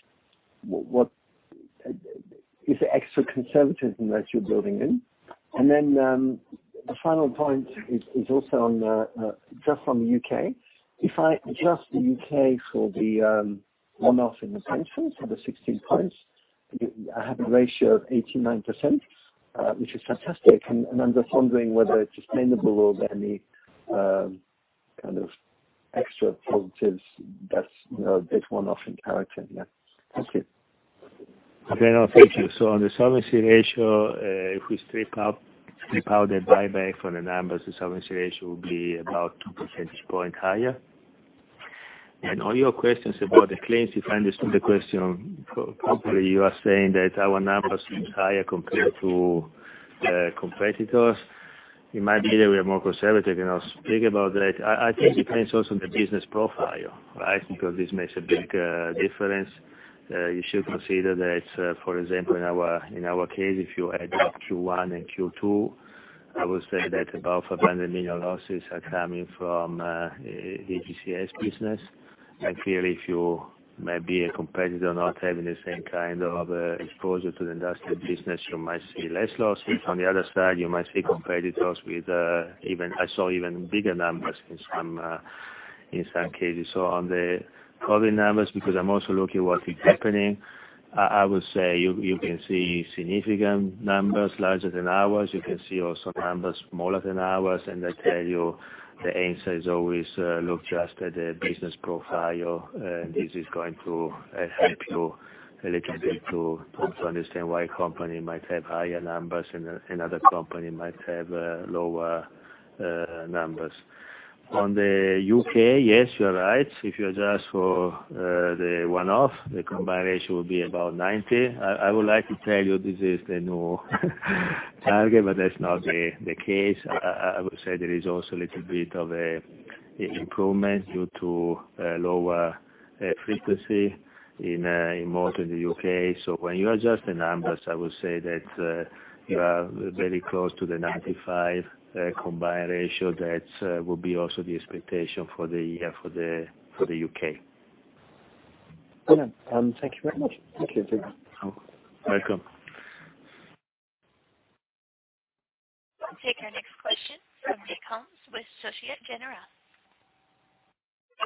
S7: is it extra conservatism that you're building in? Then, the final point is also just on the U.K. If I adjust the U.K. for the one-off in the pension for the 16 points, I have a ratio of 89%, which is fantastic, and I'm just wondering whether it's sustainable or there are any kind of extra positives that's one-off in character there. Thank you.
S3: Okay. No, thank you. On the solvency ratio, if we strip out the buyback from the numbers, the solvency ratio will be about two percentage point higher. On your questions about the claims, if I understood the question properly, you are saying that our numbers seems higher compared to the competitors. It might be that we are more conservative, and I'll speak about that. I think it depends also on the business profile, right? Because this makes a big difference. You should consider that, for example, in our case, if you add up Q1 and Q2, I would say that above average material losses are coming from AGCS business. Clearly, if you may be a competitor not having the same kind of exposure to the industrial business, you might see less losses. On the other side, you might see competitors with even, I saw even bigger numbers in some cases. On the COVID numbers, because I am also looking what is happening, I would say you can see significant numbers larger than ours. You can see also numbers smaller than ours. I tell you, the answer is always look just at the business profile. This is going to help you a little bit to also understand why a company might have higher numbers and other company might have lower numbers. On the U.K., yes, you're right. If you adjust for the one-off, the combined ratio will be about 90. I would like to tell you this is the new target, but that's not the case. I would say there is also a little bit of improvement due to lower frequency in mostly the U.K. When you adjust the numbers, I would say that you are very close to the 95% combined ratio. That will be also the expectation for the year for the U.K.
S7: Okay. Thank you very much. Thank you.
S3: You're welcome.
S1: We'll take our next question from Nick Holmes with Societe Generale.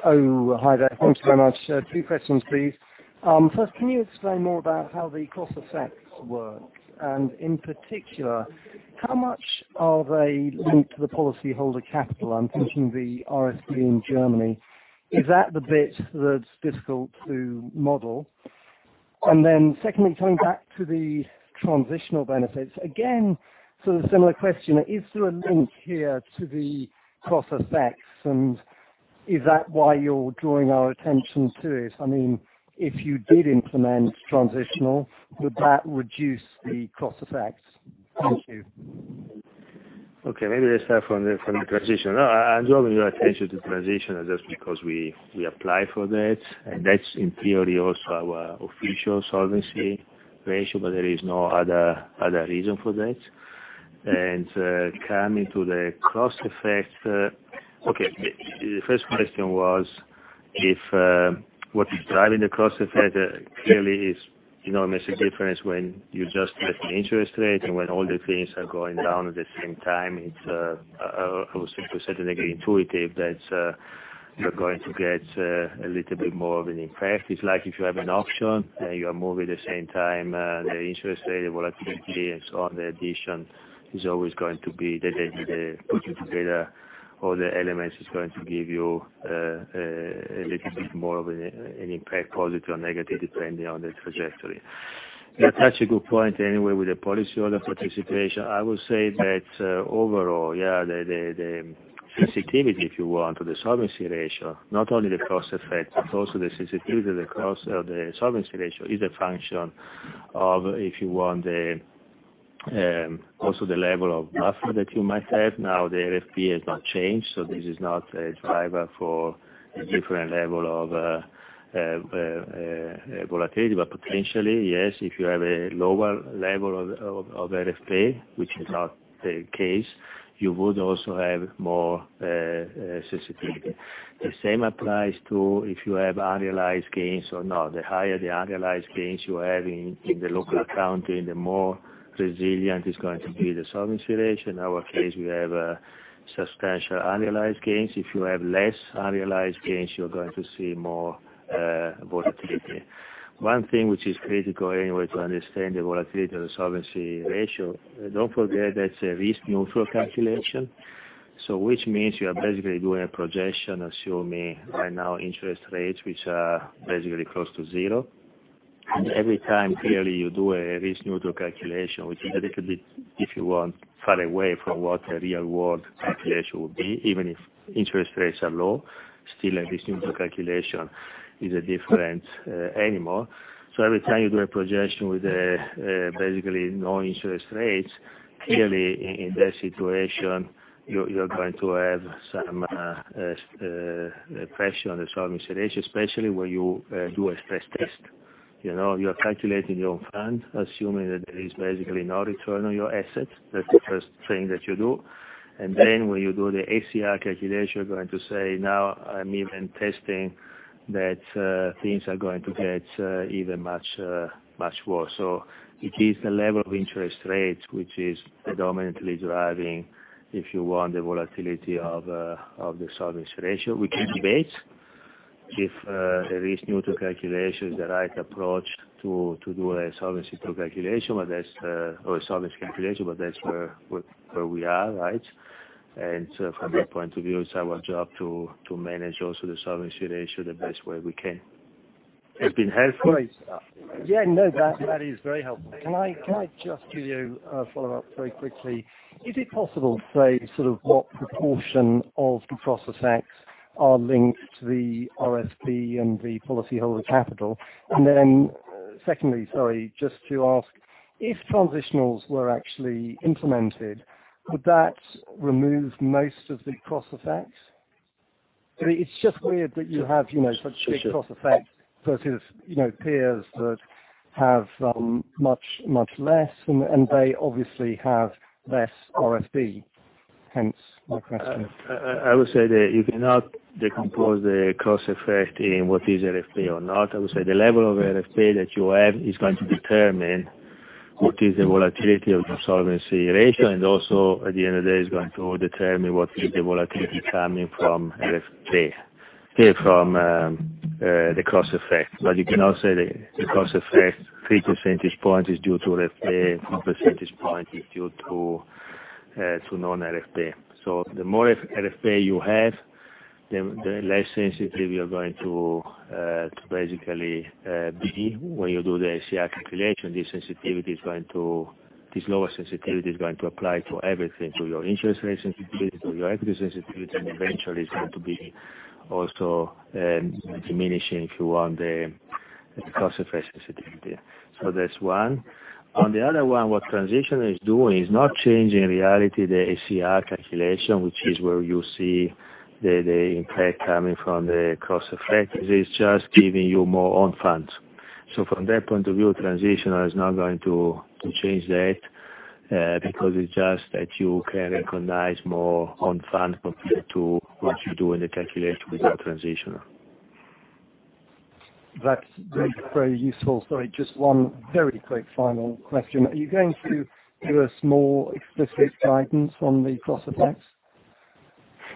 S8: Oh, hi there. Thanks very much. Two questions, please. First, can you explain more about how the cross effects work? In particular, how much are they linked to the policyholder capital? I'm thinking the RfB in Germany. Is that the bit that's difficult to model? Secondly, coming back to the transitional benefits, again, sort of similar question. Is there a link here to the cross effects, and is that why you're drawing our attention to it? I mean, if you did implement transitional, would that reduce the cross effects? Thank you.
S3: Okay, maybe let's start from the transitional. I'm drawing your attention to transitional just because we applied for that, and that's in theory also our official solvency ratio, but there is no other reason for that. Coming to the cross effects. Okay. The first question was, what is driving the cross effects clearly is it makes a difference when you just have an interest rate and when all the things are going down at the same time. It's how to simply say intuitive that you're going to get a little bit more of an impact. It's like if you have an option and you are moving the same time, the interest rate, the volatility, and so on, the addition is always going to be day by day. Putting together all the elements is going to give you a little bit more of an impact, positive or negative, depending on the trajectory. You touch a good point, anyway, with the policyholder participation. I would say that overall, yeah, the sensitivity, if you want, to the solvency ratio, not only the cross effects, but also the sensitivity of the solvency ratio is a function of, if you want, also the level of buffer that you might have. Now the RfB has not changed, this is not a driver for a different level of volatility. Potentially, yes, if you have a lower level of RfB, which is not the case, you would also have more sensitivity. The same applies to if you have unrealized gains or not. The higher the unrealized gains you have in the local accounting, the more resilient it's going to be the solvency ratio. In our case, we have substantial unrealized gains. If you have less unrealized gains, you're going to see more volatility. One thing which is critical anyway to understand the volatility of the solvency ratio, don't forget that's a risk-neutral calculation. Which means you are basically doing a projection assuming right now interest rates which are basically close to zero. Every time, clearly, you do a risk neutral calculation, which is a little bit, if you want, far away from what a real-world calculation would be, even if interest rates are low, still a risk neutral calculation is a different animal. Every time you do a projection with basically no interest rates, clearly in that situation, you're going to have some pressure on the solvency ratio, especially when you do a stress test. You are calculating your own funds, assuming that there is basically no return on your assets. That's the first thing that you do. Then, when you do the SCR calculation, you're going to say, "Now I'm even testing that things are going to get even much worse." It is the level of interest rates which is predominantly driving, if you want, the volatility of the solvency ratio. We can debate if a risk neutral calculation is the right approach to do a solvency calculation, but that's where we are, right? From that point of view, it's our job to manage also the solvency ratio the best way we can. Has it been helpful?
S8: Yeah. No, that is very helpful. Can I just give you a follow-up very quickly? Is it possible to say sort of what proportion of the cross effects are linked to the RfB and the policyholder capital? Secondly, sorry, just to ask, if transitionals were actually implemented, would that remove most of the cross effects? It's just weird that you have such big cross effects versus peers that have much less, and they obviously have less RfB, hence my question.
S3: I would say that you cannot decompose the cross effects in what is RfB or not. I would say the level of RfB that you have is going to determine what is the volatility of the solvency ratio, and also at the end of day is going to determine what is the volatility coming from RfB, from the cross effect. You cannot say the cross effect three percentage points is due to RfB and two percentage points is due to non-RfB. The more RfB you have, the less sensitive you are going to basically be when you do the SCR calculation. This lower sensitivity is going to apply to everything, to your interest rate sensitivity, to your equity sensitivity, and eventually it's going to be also diminishing, if you want, the cross effect sensitivity. That's one. On the other one, what Transitional is doing is not changing in reality the SCR calculation, which is where you see the impact coming from the cross effect. It is just giving you more own funds. From that point of view, Transitional is not going to change that, because it's just that you can recognize more own fund compared to what you do in the calculation without Transitional.
S8: That's very useful. Sorry, just one very quick final question. Are you going to give us more explicit guidance on the cross effects?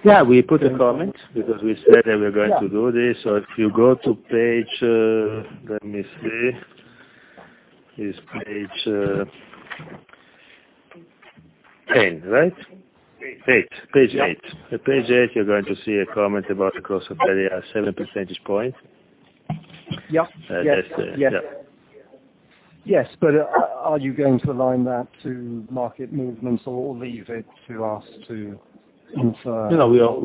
S3: Yeah, we put a comment because we said that we're going to do this. If you go to page, let me see. It's page 10, right?
S2: Eight.
S3: Eight. Page eight. At page eight, you're going to see a comment about the cross effect, seven percentage points.
S8: Yep. Yes.
S3: That's it. Yeah.
S8: Yes, are you going to align that to market movements, or leave it to us to infer?
S3: No, we are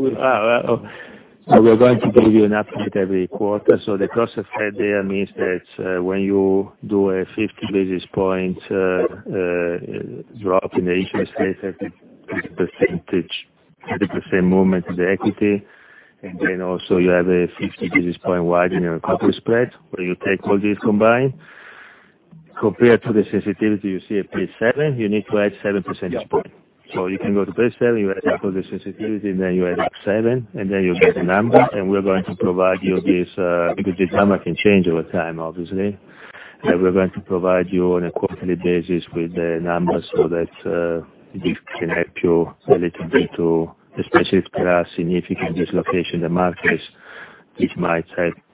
S3: going to give you an update every quarter. The cross effect there means that when you do a 50 basis point drop in the interest rate, that is 50% movement in the equity. Then, also you have a 50 basis point widen in your credit spread, where you take all this combined. Compared to the sensitivity you see at page seven, you need to add seven percentage point. You can go to page seven, you add up all the sensitivity, and then you add up seven, and then you get the number. We're going to provide you this, because the gamma can change over time, obviously. We're going to provide you on a quarterly basis with the numbers so that this can help you a little bit to, especially if there are significant dislocation in the markets, this might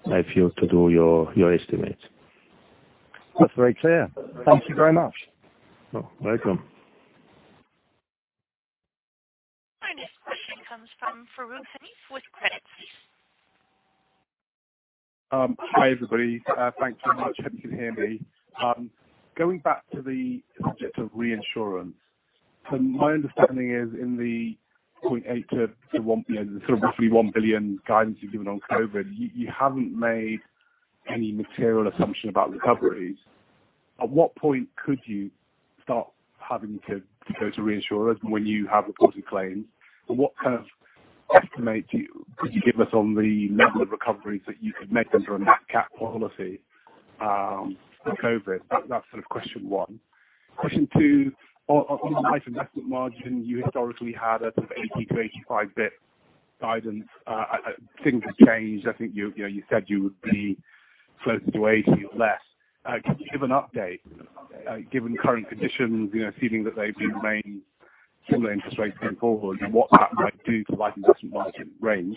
S3: help you to do your estimates.
S8: That's very clear. Thank you very much.
S3: You're welcome.
S1: Our next question comes from Farooq Hanif with Credit Suisse.
S9: Hi, everybody. Thanks very much. Hope you can hear me. Going back to the subject of reinsurance. My understanding is in the 0.8 billion to roughly 1 billion guidance you've given on COVID, you haven't made any material assumption about recoveries. At what point could you start having to go to reinsurers when you have reported claims? What kind of estimate could you give us on the level of recoveries that you could make under a CAT policy for COVID? That's question one. Question two, on the life investment margin, you historically had a sort of 80 to 85 basis points guidance. Things have changed. I think you said you would be closer to 80 or less. Could you give an update, given current conditions, assuming that they remain similar interest rates going forward, and what that might do to life investment margin range?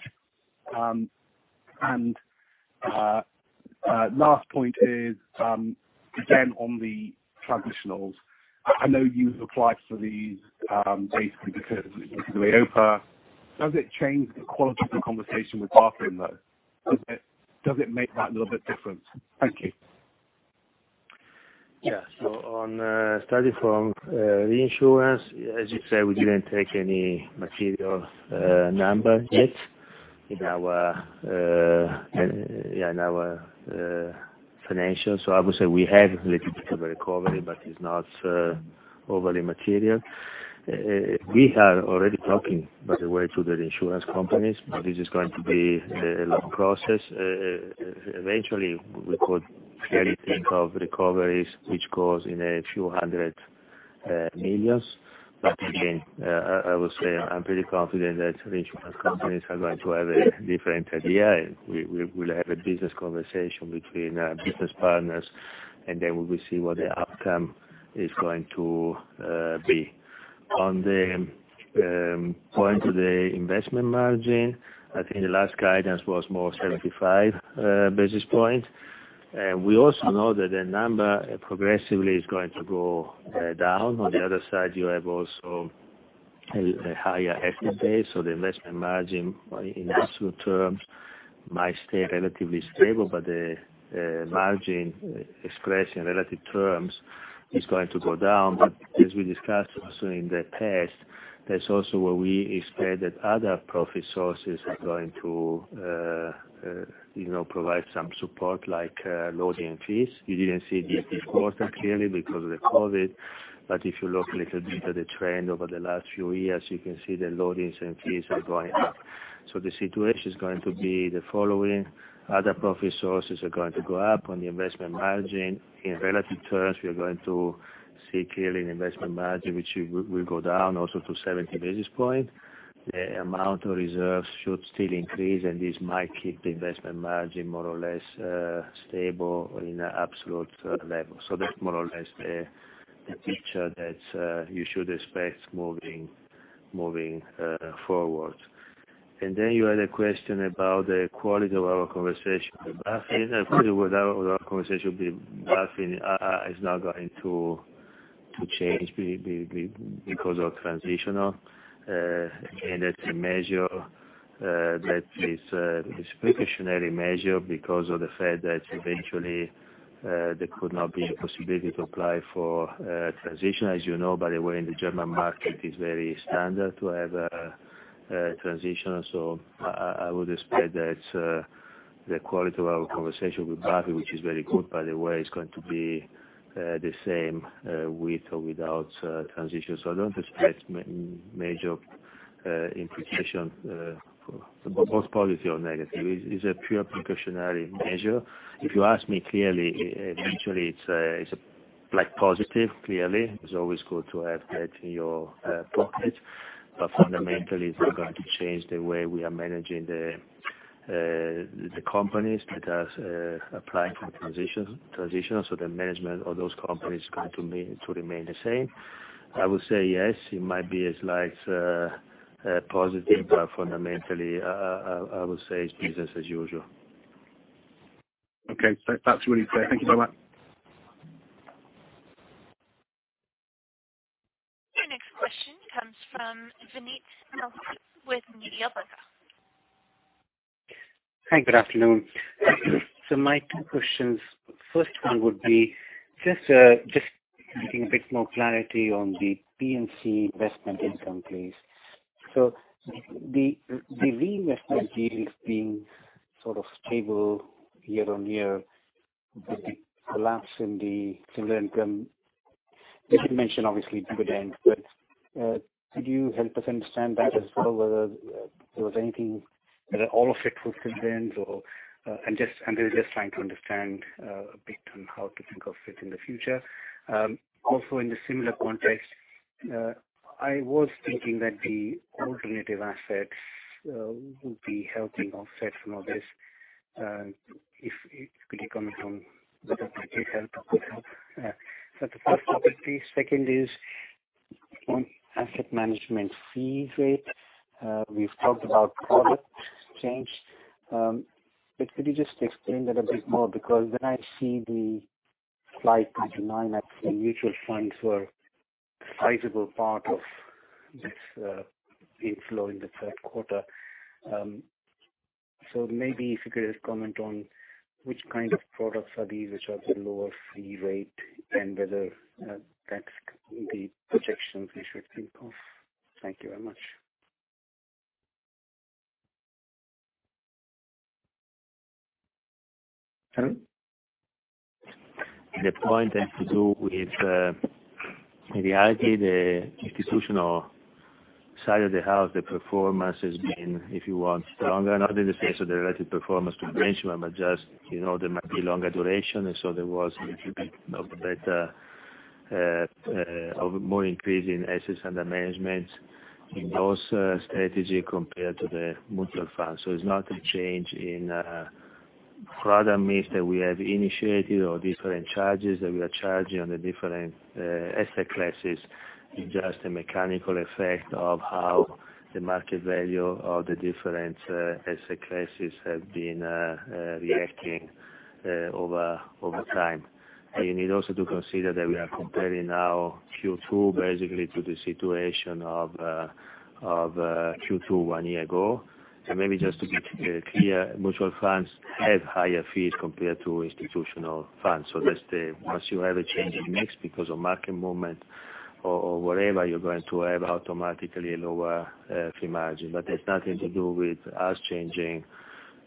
S9: Last point is, again, on the transitionals. I know you've applied for these basically because of the EIOPA. Does it change the quality of the conversation with BaFin, though? Does it make that little bit different? Thank you.
S3: Starting from reinsurance, as you say, we didn't take any material number yet in our financials. Obviously we have a little bit of a recovery, but it's not overly material. We are already talking, by the way, to the reinsurance companies, this is going to be a long process. Eventually, we could clearly think of recoveries, which cost in a few hundred million EUR. Again, I would say I'm pretty confident that reinsurance companies are going to have a different idea. We'll have a business conversation between business partners, and then we will see what the outcome is going to be. On the point of the investment margin, I think the last guidance was more 75 basis points. We also know that the number progressively is going to go head down. On the other side, you have also a higher equity base. The investment margin in absolute terms might stay relatively stable, but the margin expressed in relative terms is going to go down. As we discussed also in the past, that's also where we expect that other profit sources are going to, you know, provide some support, like loading fees. You didn't see this this quarter clearly because of the COVID, but if you look a little bit at the trend over the last few years, you can see the loadings and fees are going up. The situation is going to be the following. Other profit sources are going to go up. On the investment margin, in relative terms, we are going to see clearly an investment margin which will go down also to 70 basis points. The amount of reserves should still increase, and this might keep the investment margin more or less stable in absolute level. That's more or less the picture that you should expect moving forward. You had a question about the quality of our conversation with BaFin. Clearly with our conversation with BaFin is not going to change because of transitional. That's a measure that is a precautionary measure because of the fact that eventually there could not be a possibility to apply for a transition. As you know, by the way, in the German market, it's very standard to have a transition. I would expect that the quality of our conversation with BaFin, which is very good by the way, is going to be the same with or without transition. I don't expect major implication, both positive or negative. It's a pure precautionary measure. If you ask me clearly, eventually it's like positive, clearly. It's always good to have that in your pocket. Fundamentally, it's not going to change the way we are managing the companies that are applying for transitions. The management of those companies is going to remain the same. I would say yes, it might be a slight positive, but fundamentally, I would say it's business as usual.
S9: Okay. That's really clear. Thank you very much.
S1: Your next question comes from Vinit Malhotra with Mediobanca.
S10: Hi, good afternoon. My two questions. First one would be just needing a bit more clarity on the P&C investment income, please. The reinvestment yield is being sort of stable year on year. With the collapse in the dividend, you did mention obviously dividend, but could you help us understand that as well, whether there was anything that all of it was dividends or I'm just trying to understand a bit on how to think of it in the future. Also, in the similar context, I was thinking that the alternative assets will be helping offset from all this. If could you comment on whether that did help or could help? That's the first part. The second is on asset management fee rate. We've talked about product change. Could you just explain that a bit more? Because when I see the slide 29, actually, mutual funds were a sizable part of this inflow in the third quarter. Maybe if you could just comment on which kind of products are these, which have the lower fee rate, and whether that's the projections we should think of? Thank you very much.
S3: The point has to do with, in reality, the institutional side of the house, the performance has been, if you want, stronger, not in the sense of the relative performance to benchmark, but just there might be longer duration, there was a little bit of a better, more increase in assets under management in those strategy compared to the mutual funds. It's not a change in product mix that we have initiated or different charges that we are charging on the different asset classes. It's just a mechanical effect of how the market value of the different asset classes have been reacting over time. You need also to consider that we are comparing now Q2 basically to the situation of Q2 one year ago. Maybe just to be clear, mutual funds have higher fees compared to institutional funds. That's the, once you have a change in mix because of market movement or whatever, you're going to have automatically a lower fee margin, but that's nothing to do with us changing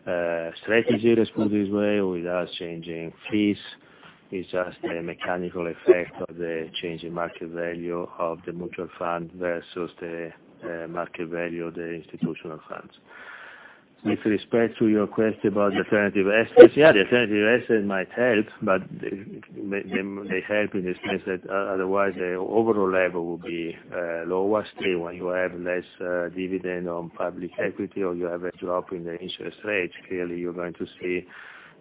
S3: strategies, let's put it this way, or with us changing fees. It's just a mechanical effect of the change in market value of the mutual fund versus the market value of the institutional funds. With respect to your question about alternative assets, yeah, the alternative assets might help, but they help in the sense that otherwise, the overall level will be lower. Still, when you have less dividend on public equity or you have a drop in the interest rate, clearly, you're going to see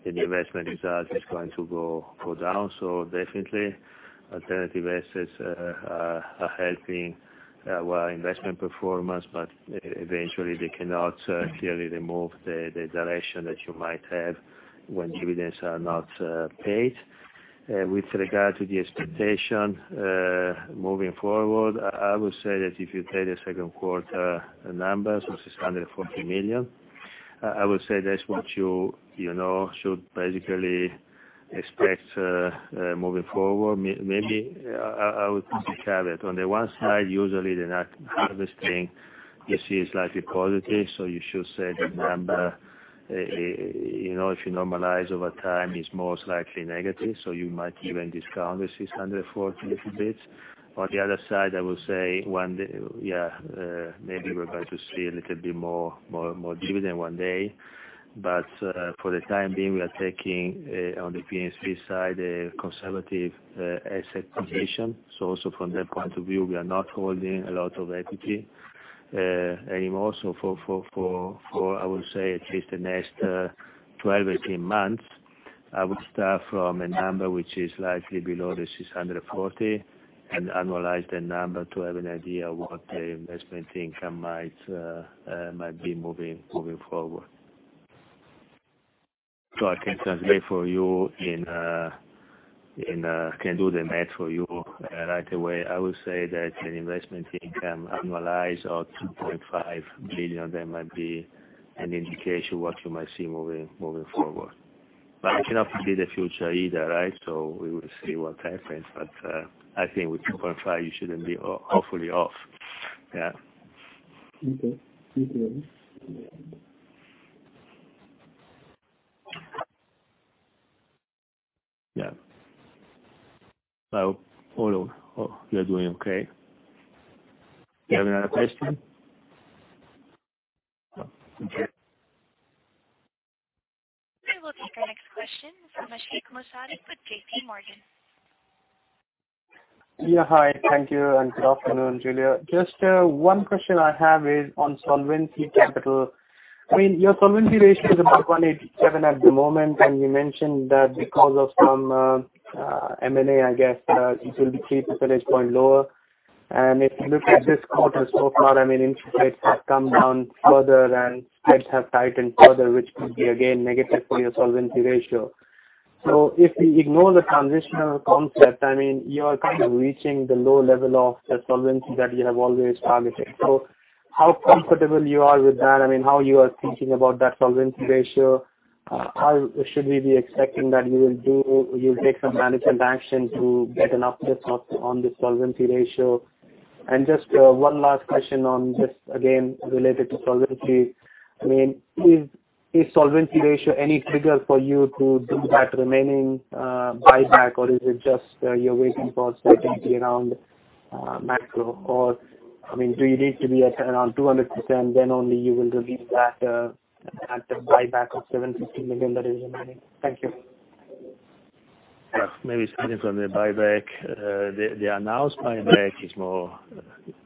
S3: the investment result is going to go down. Definitely, alternative assets are helping our investment performance, but eventually, they cannot clearly remove the direction that you might have when dividends are not paid. With regard to the expectation, moving forward, I would say that if you take the second quarter numbers of 640 million, I would say that's what you should basically expect moving forward. Maybe I would put a caveat. On the one side, usually, the harvesting, you see a slightly positive, you should say the number, if you normalize over time, is more slightly negative, you might even discount the 640 a little bit. On the other side, I would say, maybe we're going to see a little bit more dividend one day. For the time being, we are taking, on the P&C side, a conservative asset position. Also from that point of view, we are not holding a lot of equity anymore. For, I would say, at least the next 12, 18 months, I would start from a number which is slightly below the 640, and annualize the number to have an idea what the investment income might be moving forward. I can translate for you and can do the math for you right away. I would say that an investment income annualized of 2.5 billion, that might be an indication what you might see moving forward. We cannot predict the future either, right? We will see what happens, but I think with 2.5, you shouldn't be awfully off. Yeah.
S10: Okay. Thank you.
S3: Yeah. Hello. You're doing okay. Do you have another question? No. Okay.
S1: We will take our next question from Ashik Musaddi with JPMorgan.
S11: Yeah. Hi. Thank you, and good afternoon, Giulio Terzariol. Just one question I have is on solvency capital. Your solvency ratio is about 187 at the moment, and you mentioned that because of some M&A, I guess, it will be 3 percentage point lower. If you look at this quarter so far, interest rates have come down further and spreads have tightened further, which could be, again, negative for your solvency ratio. If we ignore the transitional concept, you are kind of reaching the low level of the solvency that you have always targeted. How comfortable you are with that? How you are thinking about that solvency ratio? Should we be expecting that you will take some management action to get an uptick on this solvency ratio? Just one last question on this, again, related to solvency. Is solvency ratio any trigger for you to do that remaining buyback, or is it just you're waiting for stability around macro? Do you need to be at around 200% then only you will review that buyback of 750 million that is remaining? Thank you.
S3: Yes. Maybe starting from the buyback. The announced buyback,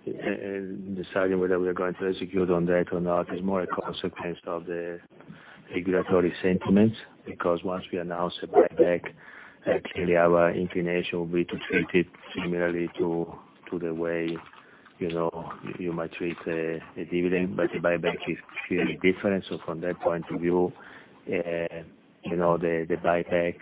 S3: deciding whether we are going to execute on that or not, is more a consequence of the regulatory sentiments. Because once we announce a buyback, clearly our inclination will be to treat it similarly to the way you might treat a dividend. A buyback is clearly different. From that point of view, the buyback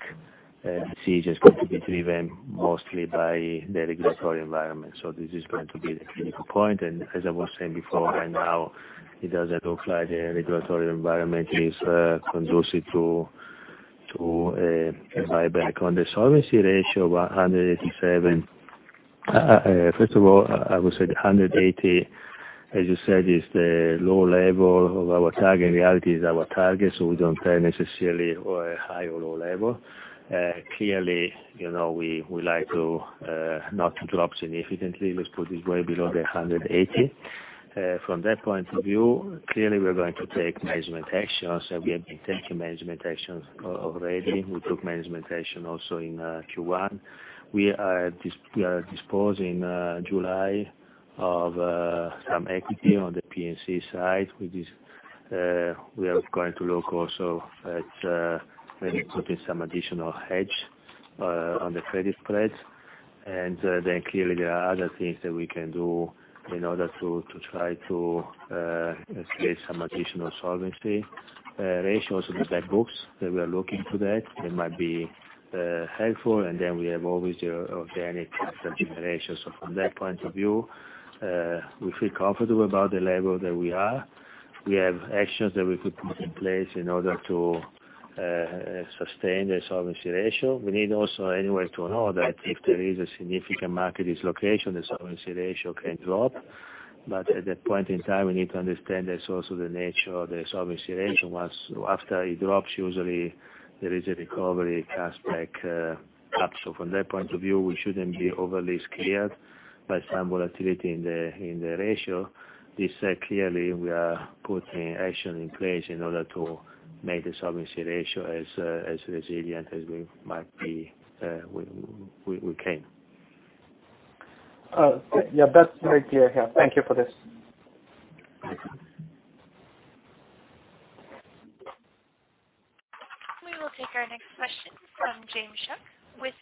S3: decision is going to be driven mostly by the regulatory environment. This is going to be the critical point. As I was saying before, right now, it doesn't look like the regulatory environment is conducive to a buyback. On the solvency ratio, 187. First of all, I would say the 180, as you said, is the low level of our target. In reality, is our target, so we don't have necessarily a high or low level. Clearly, we like to not drop significantly, let's put it, way below the 180. From that point of view, clearly, we are going to take management actions, and we have been taking management actions already. We took management action also in Q1. We are disposing July of some equity on the P&C side. We are going to look also at maybe putting some additional hedge on the credit spreads. Clearly, there are other things that we can do in order to try to escape some additional solvency ratios with the back books that we are looking to that might be helpful. We have always the organic capital generation. From that point of view, we feel comfortable about the level that we are. We have actions that we could put in place in order to sustain the solvency ratio. We need also anyway to know that if there is a significant market dislocation, the solvency ratio can drop. At that point in time, we need to understand the source of the nature of the solvency ratio. After it drops, usually there is a recovery, it comes back up. From that point of view, we shouldn't be overly scared by some volatility in the ratio. This clearly, we are putting action in place in order to make the solvency ratio as resilient as we can.
S11: Yeah. That's very clear. Thank you for this.
S3: Okay.
S1: We will take our next question from James Shuck with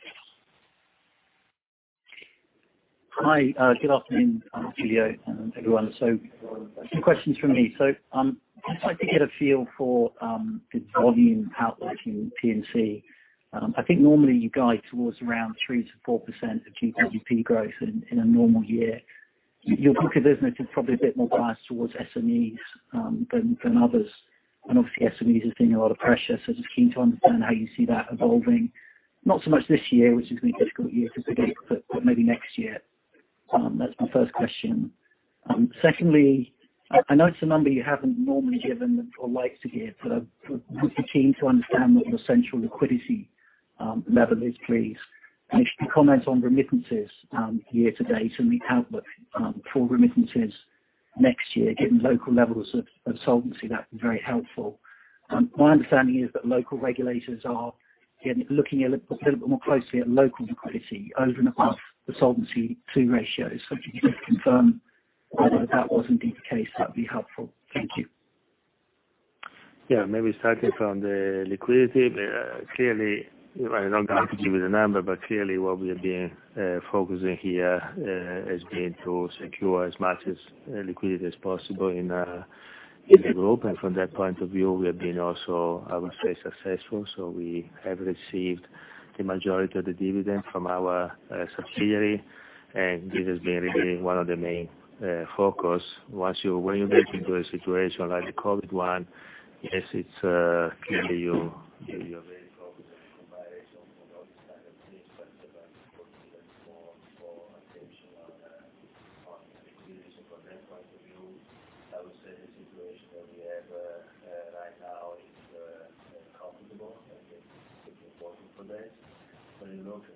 S1: Citi.
S12: Hi. Good afternoon, Giulio Terzariol, and everyone. Two questions from me. I'd just like to get a feel for the volume outlook in P&C. I think normally you guide towards around 3%-4% of GDP growth in a normal year. Your book of business is probably a bit more biased towards SMEs than others. Obviously, SMEs has been a lot of pressure, so just keen to understand how you see that evolving. Not so much this year, which has been a difficult year to predict, but maybe next year. That's my first question. Secondly, I know it's a number you haven't normally given or like to give, but we'd be keen to understand what your central liquidity level is, please. If you could comment on remittances year-to-date and the outlook for remittances next year, given local levels of solvency, that'd be very helpful. My understanding is that local regulators are looking a little bit more closely at local liquidity over and above the Solvency II ratios. If you could just confirm whether that was indeed the case, that'd be helpful. Thank you.
S3: Yeah. Maybe starting from the liquidity. Clearly, I don't have to give you the number, but clearly what we have been focusing here has been to secure as much as liquidity as possible in the group. From that point of view, we have been also, I would say successful. We have received the majority of the dividend from our subsidiary, and this has been really one of the main focus. When you get into a situation like the COVID one, yes, it's clearly you're very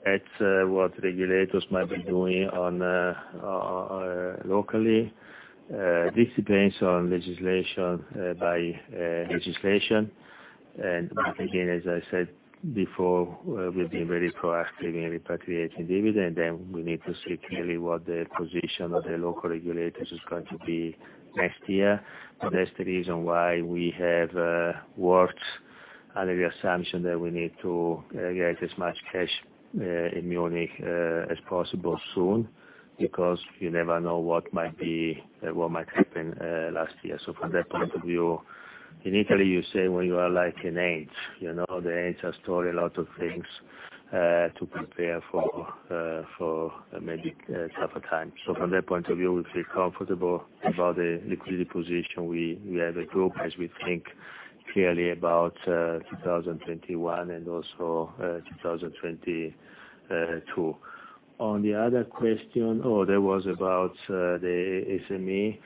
S3: focused on the combination of all these kinds of things, events considered more attention on liquidity. From that point of view, I would say the situation that we have right now is comfortable. <inaudible> When you look at what regulators might be doing locally, this depends on legislation by legislation. Again, as I said before, we've been very proactive in repatriating dividend, and we need to see clearly what the position of the local regulators is going to be next year. That's the reason why we have worked under the assumption that we need to get as much cash in Munich as possible soon, because you never know what might happen last year. From that point of view, in Italy, you say when you are like an ant. The ants have stored a lot of things to prepare for maybe tougher times. From that point of view, we feel comfortable about the liquidity position we have a group, as we think clearly about 2021 and also 2022. On the other question, that was about the SME.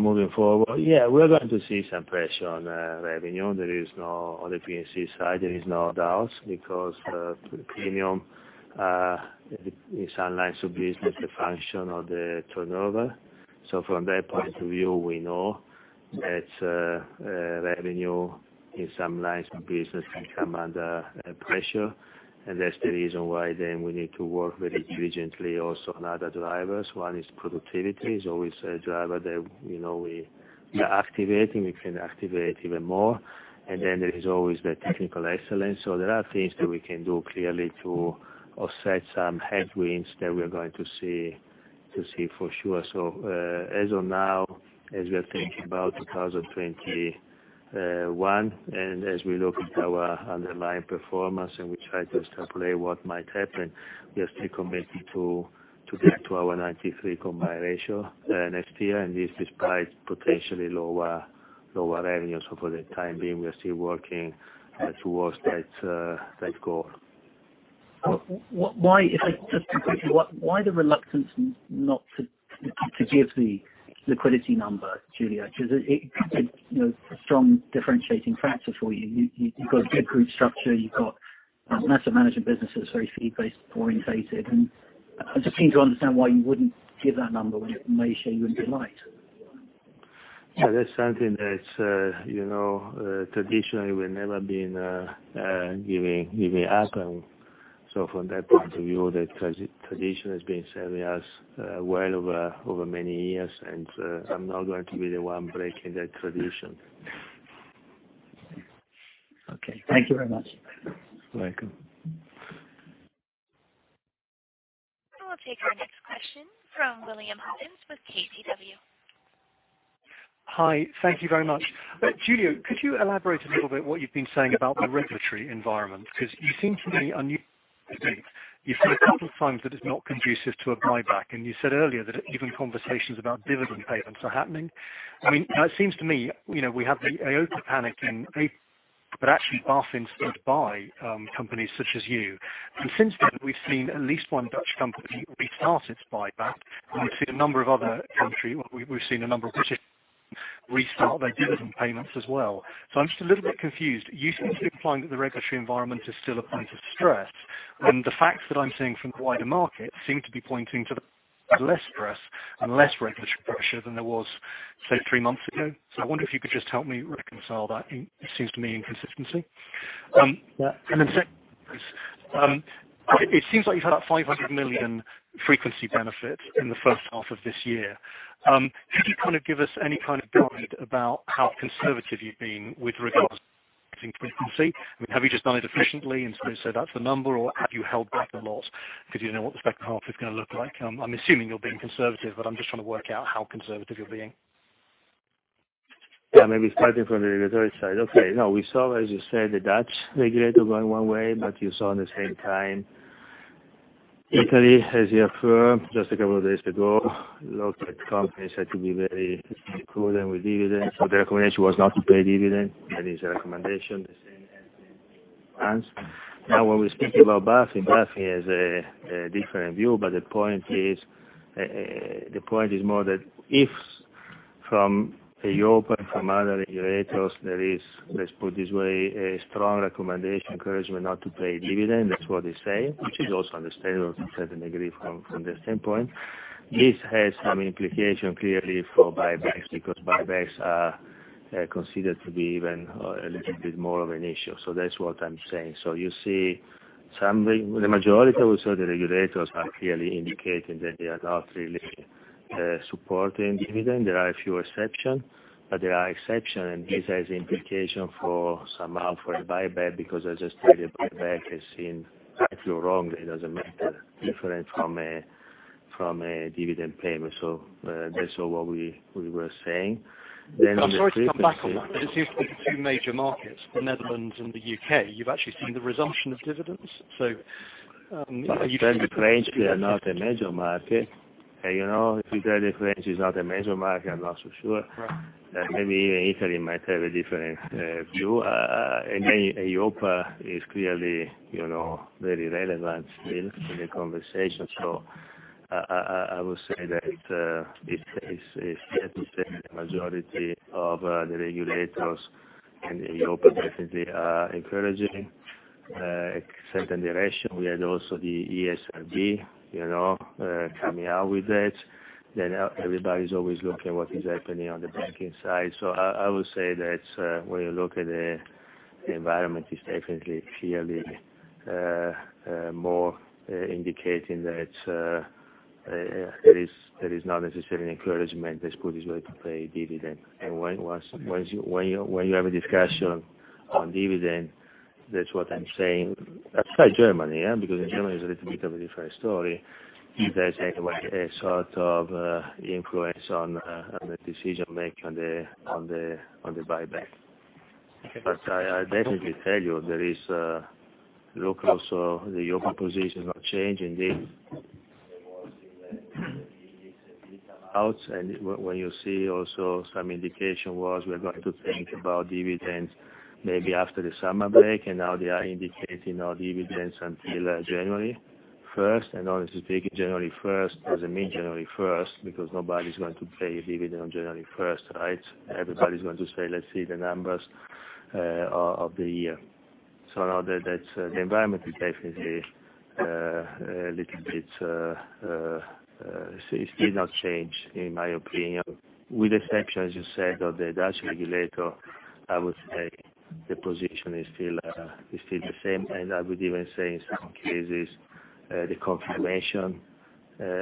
S3: Moving forward, yeah, we are going to see some pressure on revenue. There is no, on the P&C side, there is no doubts because premium is in some lines of business a function of the turnover. From that point of view, we know that revenue in some lines of business can come under pressure, and that's the reason why then we need to work very diligently also on other drivers. One is productivity. It's always a driver that we are activating. We can activate even more. There is always the technical excellence. There are things that we can do clearly to offset some headwinds that we are going to see for sure. As of now, as we are thinking about 2021, and as we look at our underlying performance and we try to extrapolate what might happen, we are still committed to get to our 93 combined ratio next year, and this despite potentially lower revenue. For the time being, we are still working towards that goal.
S12: Just a quick question. Why the reluctance not to give the liquidity number, Giulio Terzariol? It could be a strong differentiating factor for you. You've got a good group structure. You've got massive management businesses, very fee-based orientated. I just seem to understand why you wouldn't give that number when it may show you in good light.
S3: That's something that traditionally, we've never been giving out. From that point of view, that tradition has been serving us well over many years, and I'm not going to be the one breaking that tradition.
S12: Okay. Thank you very much.
S3: You're welcome.
S1: We'll take our next question from William Hawkins with KBW.
S13: Hi. Thank you very much. Giulio Terzariol, could you elaborate a little bit what you've been saying about the regulatory environment? You seem to be [unusually] you say a couple of times that it's not conducive to a buyback, and you said earlier that even conversations about dividend payments are happening. It seems to me, we have the EIOPA panic in April, actually BaFin stood by companies such as you. Since then, we've seen at least one Dutch company restart its buyback, and we've seen a number of British restart their dividend payments as well. I'm just a little bit confused. You seem to be implying that the regulatory environment is still a point of stress. The facts that I'm seeing from the wider market seem to be pointing to less stress and less regulatory pressure than there was, say, three months ago. I wonder if you could just help me reconcile that, it seems to me, inconsistency. Second, it seems like you have had that 500 million frequency benefit in the first half of this year. Could you kind of give us any kind of guide about how conservative you have been with regards to frequency? Have you just done it efficiently and so you say that is the number, or have you held back a lot because you did not know what the second half is going to look like? I am assuming you are being conservative, but I am just trying to work out how conservative you are being.
S3: Starting from the regulatory side. We saw, as you said, the Dutch regulator going one way, but you saw in the same time, Italy, as you affirmed, just a couple of days ago, looked at companies had to be very prudent with dividends. The recommendation was not to pay a dividend. That is a recommendation, the same as in France. When we speak about BaFin, BaFin has a different view, but the point is more that if from EIOPA and from other regulators, there is, let's put it this way, a strong recommendation, encouragement not to pay dividend. That's what they say, which is also understandable to a certain degree from that standpoint. This has some implication, clearly, for buybacks, because buybacks are considered to be even a little bit more of an issue. That's what I'm saying. You see the majority of the regulators are clearly indicating that they are not really supporting dividend. There are a few exceptions. There are exceptions, and this has implication for somehow for the buyback, because as I said, a buyback has seen, if you're wrong, it doesn't matter, different from a dividend payment. That's what we were saying.
S13: I'm sorry to come back on that, but it seems like the two major markets, the Netherlands and the U.K., you've actually seen the resumption of dividends. Are you?
S3: You tell me France, they are not a major market. If you tell me France is not a major market, I'm not so sure. Maybe Italy might have a different view. EIOPA is clearly very relevant still in the conversation. I would say that it is fair to say the majority of the regulators in Europe definitely are encouraging a certain direction. We had also the ESRB coming out with that. Everybody's always looking at what is happening on the banking side. I would say that when you look at the environment, it's definitely clearly more indicating that there is not necessarily an encouragement that's put this way to pay dividend. When you have a discussion on dividend, that's what I'm saying. Aside Germany, because in Germany is a little bit of a different story, if there's anyway a sort of influence on the decision-making on the buyback. I definitely tell you, look also the European position are changing. <inaudible> outside when you see also some indication was we're going to think about dividends maybe after the summer break, now they are indicating no dividends until January 1st. Honestly speaking, January 1st doesn't mean January 1st, because nobody's going to pay a dividend on January 1st, right? Everybody's going to say, "Let's see the numbers of the year." Now the environment is definitely a little bit, it did not change, in my opinion. With exception, as you said, of the Dutch regulator, I would say the position is still the same. I would even say in some cases, the confirmation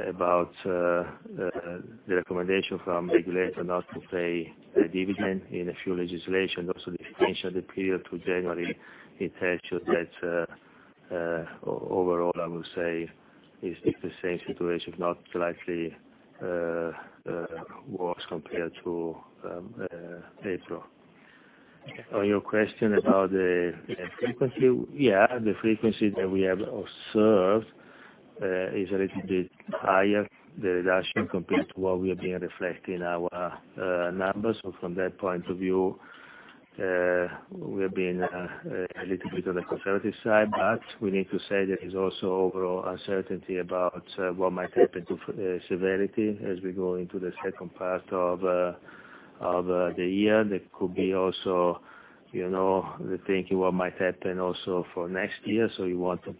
S3: about the recommendation from regulator not to pay a dividend in a few legislations, also the extension of the period to January, it tells you that overall, I would say it's the same situation, not likely worse compared to April. On your question about the frequency. Yeah, the frequency that we have observed is a little bit higher deduction compared to what we have been reflecting our numbers. From that point of view, we have been a little bit on the conservative side, but we need to say there is also overall uncertainty about what might happen to severity as we go into the second part of the year. That could be also the thinking what might happen also for next year. You want to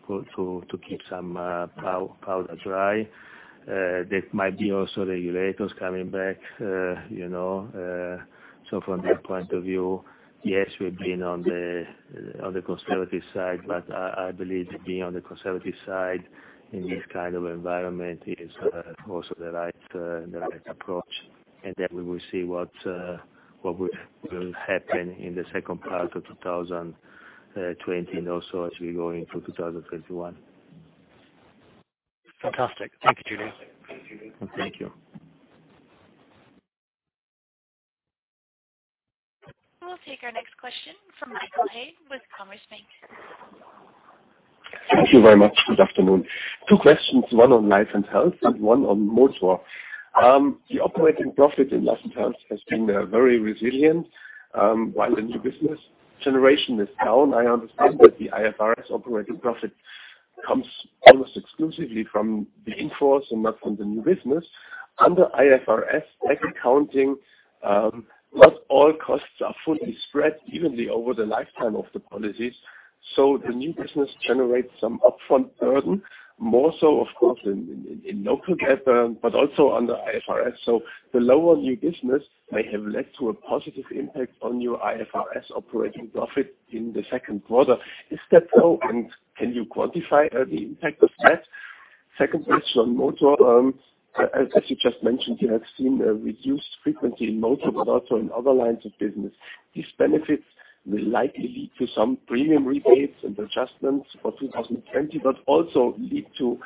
S3: keep some powder dry. That might be also regulators coming back. From that point of view, yes, we've been on the conservative side, but I believe that being on the conservative side in this kind of environment is also the right approach. We will see what will happen in the second part of 2020 and also as we go into 2021.
S13: Fantastic. Thank you, Giulio Terzariol.
S3: Thank you.
S1: We'll take our next question from Michael Haid with Commerzbank.
S14: Thank you very much. Good afternoon. Two questions, one on life and health and one on motor. The operating profit in life and health has been very resilient, while the new business generation is down. I understand that the IFRS operating profit comes almost exclusively from the in-force and not from the new business. Under IFRS accounting, not all costs are fully spread evenly over the lifetime of the policies. The new business generates some upfront burden, more so of course in local GAAP, but also under IFRS. The lower new business may have led to a positive impact on your IFRS operating profit in the second quarter. Is that so, and can you quantify the impact of that? Second question on motor. As you just mentioned, you have seen a reduced frequency in motor, but also in other lines of business. These benefits will likely lead to some premium rebates and adjustments for 2020, but also lead to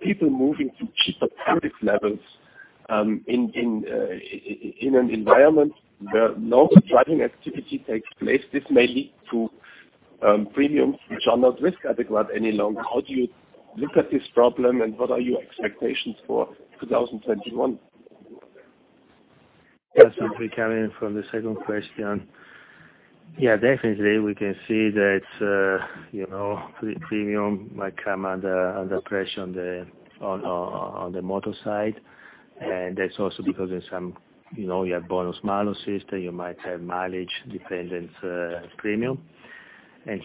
S14: people moving to cheaper product levels. In an environment where no driving activity takes place, this may lead to premiums which are not risk adequate any longer. How do you look at this problem, and what are your expectations for 2021?
S3: That simply carry on from the second question. Yeah, definitely, we can see that premium might come under pressure on the motor side. That's also because you have bonus-malus system, you might have mileage dependence premium.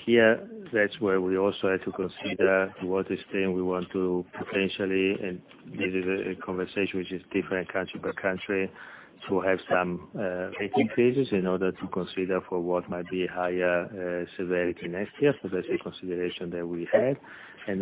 S3: Here that's where we also have to consider to what extent we want to potentially, and this is a conversation which is different country per country, to have some rate increases in order to consider for what might be higher severity next year. That's a consideration that we have.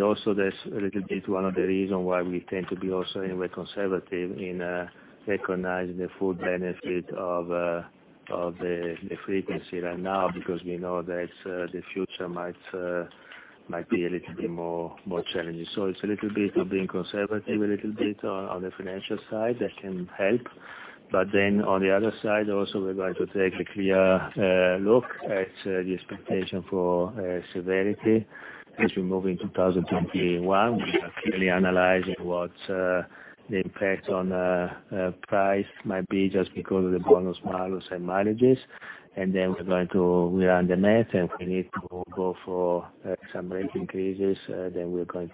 S3: Also, that's a little bit one of the reason why we tend to be also in a way conservative in recognizing the full benefit of the frequency right now, because we know that the future might be a little bit more challenging. It's a little bit of being conservative a little bit on the financial side, that can help. On the other side, also, we're going to take a clear look at the expectation for severity as we move in 2021. We are clearly analyzing what is the impact on price might be just because of the bonus-malus and mileages. We run the math, and if we need to go for some rate increases, then we're going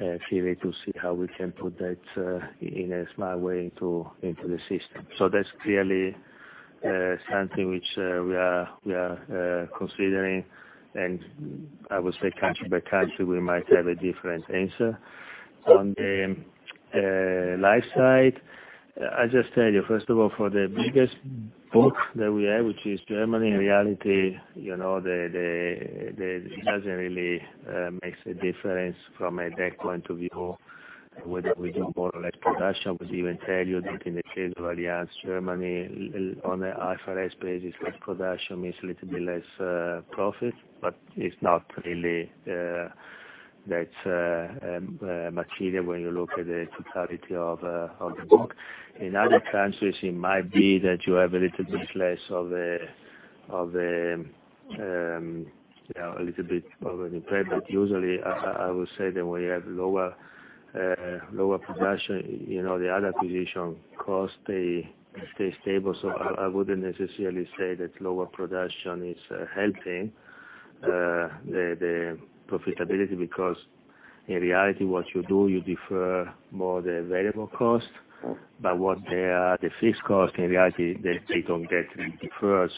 S3: to see how we can put that in a smart way into the system. That's clearly something which we are considering, and I would say country by country, we might have a different answer. On the life side, I just tell you, first of all, for the biggest book that we have, which is Germany, in reality, it doesn't really makes a difference from that point of view, whether we do more or less production. Even tell you that in the case of Allianz Germany, on the IFRS basis, less production means a little bit less profit, but it's not really that material when you look at the totality of the book. In other countries, it might be that you have a little bit less of an impact. Usually, I would say that we have lower production, the other acquisition costs stay stable. I wouldn't necessarily say that lower production is helping the profitability because in reality, what you do, you defer more the variable cost. What they are, the fixed cost, in reality, they don't get deferred.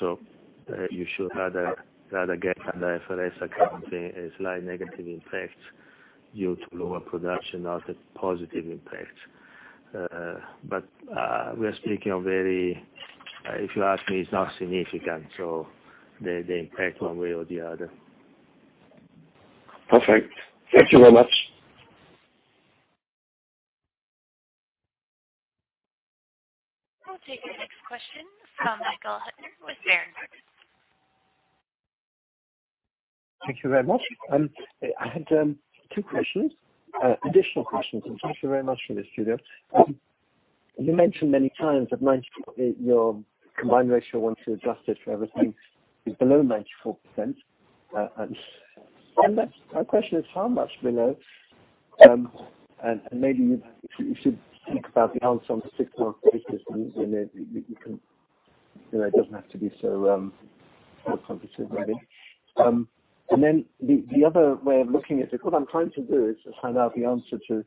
S3: You should rather get an IFRS accounting, a slight negative impact due to lower production, not a positive impact. We are speaking of, if you ask me, it's not significant, so they impact one way or the other.
S14: Perfect. Thank you very much.
S1: We'll take the next question from Michael Huttner with Berenberg.
S7: Thank you very much. I had done two questions, additional questions. Thank you very much for this, Giulio Terzariol. You mentioned many times that your combined ratio, once you adjust it for everything, is below 94%. My question is, how much below? Maybe you should think about the answer on a six-month basis. It doesn't have to be so complicated, maybe. The other way of looking at it, what I'm trying to do is to find out the answer to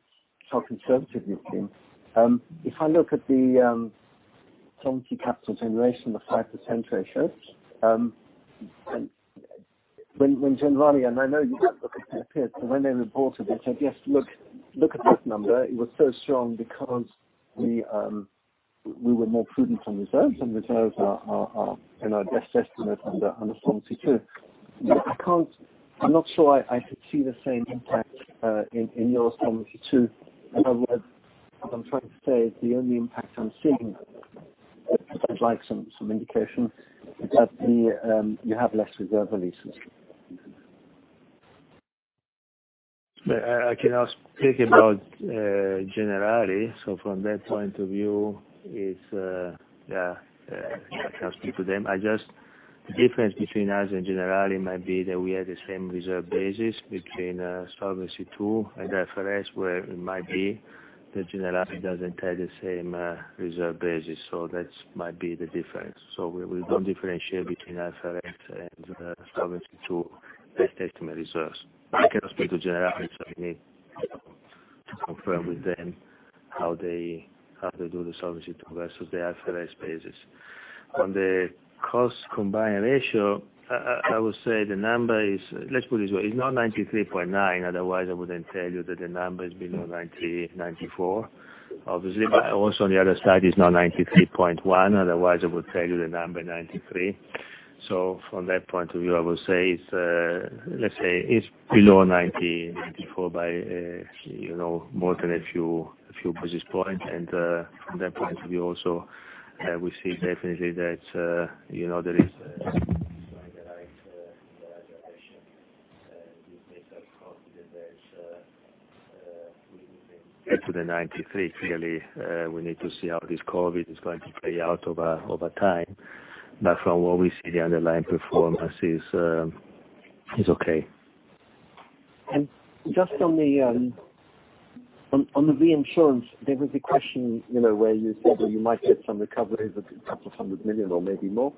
S7: how conservative you've been. If I look at the Solvency capital generation, the 5% ratio, when Generali, and I know you don't look at it here, but when they reported, they said, "Yes, look at this number. It was so strong because we were more prudent on reserves, and reserves are in our best estimate under Solvency II. I'm not sure I could see the same impact in your Solvency II. In other words, what I'm trying to say is the only impact I'm seeing, I'd like some indication that you have less reserve releases.
S3: I cannot speak about Generali. From that point of view, I can't speak to them. Just the difference between us and Generali might be that we have the same reserve basis between Solvency II and IFRS, where it might be that Generali doesn't have the same reserve basis. That might be the difference. We don't differentiate between IFRS and Solvency II best estimate reserves. I cannot speak to Generali, so you need to confirm with them how they do the Solvency II versus the IFRS basis. On the cost combined ratio, I would say the number is, let's put it this way, it's not 93.9. Otherwise, I wouldn't tell you that the number is below 94, obviously. Also, on the other side, it's not 93.1, otherwise, I would tell you the number 93. From that point of view, I would say it's below 94 by more than a few basis points. From that point of view also, we see definitely that there is <inaudible> to the 93. Clearly, we need to see how this COVID is going to play out over time. From what we see, the underlying performance is okay.
S7: Just on the reinsurance, there was a question where you said that you might get some recoveries, a couple of hundred million euros or maybe more.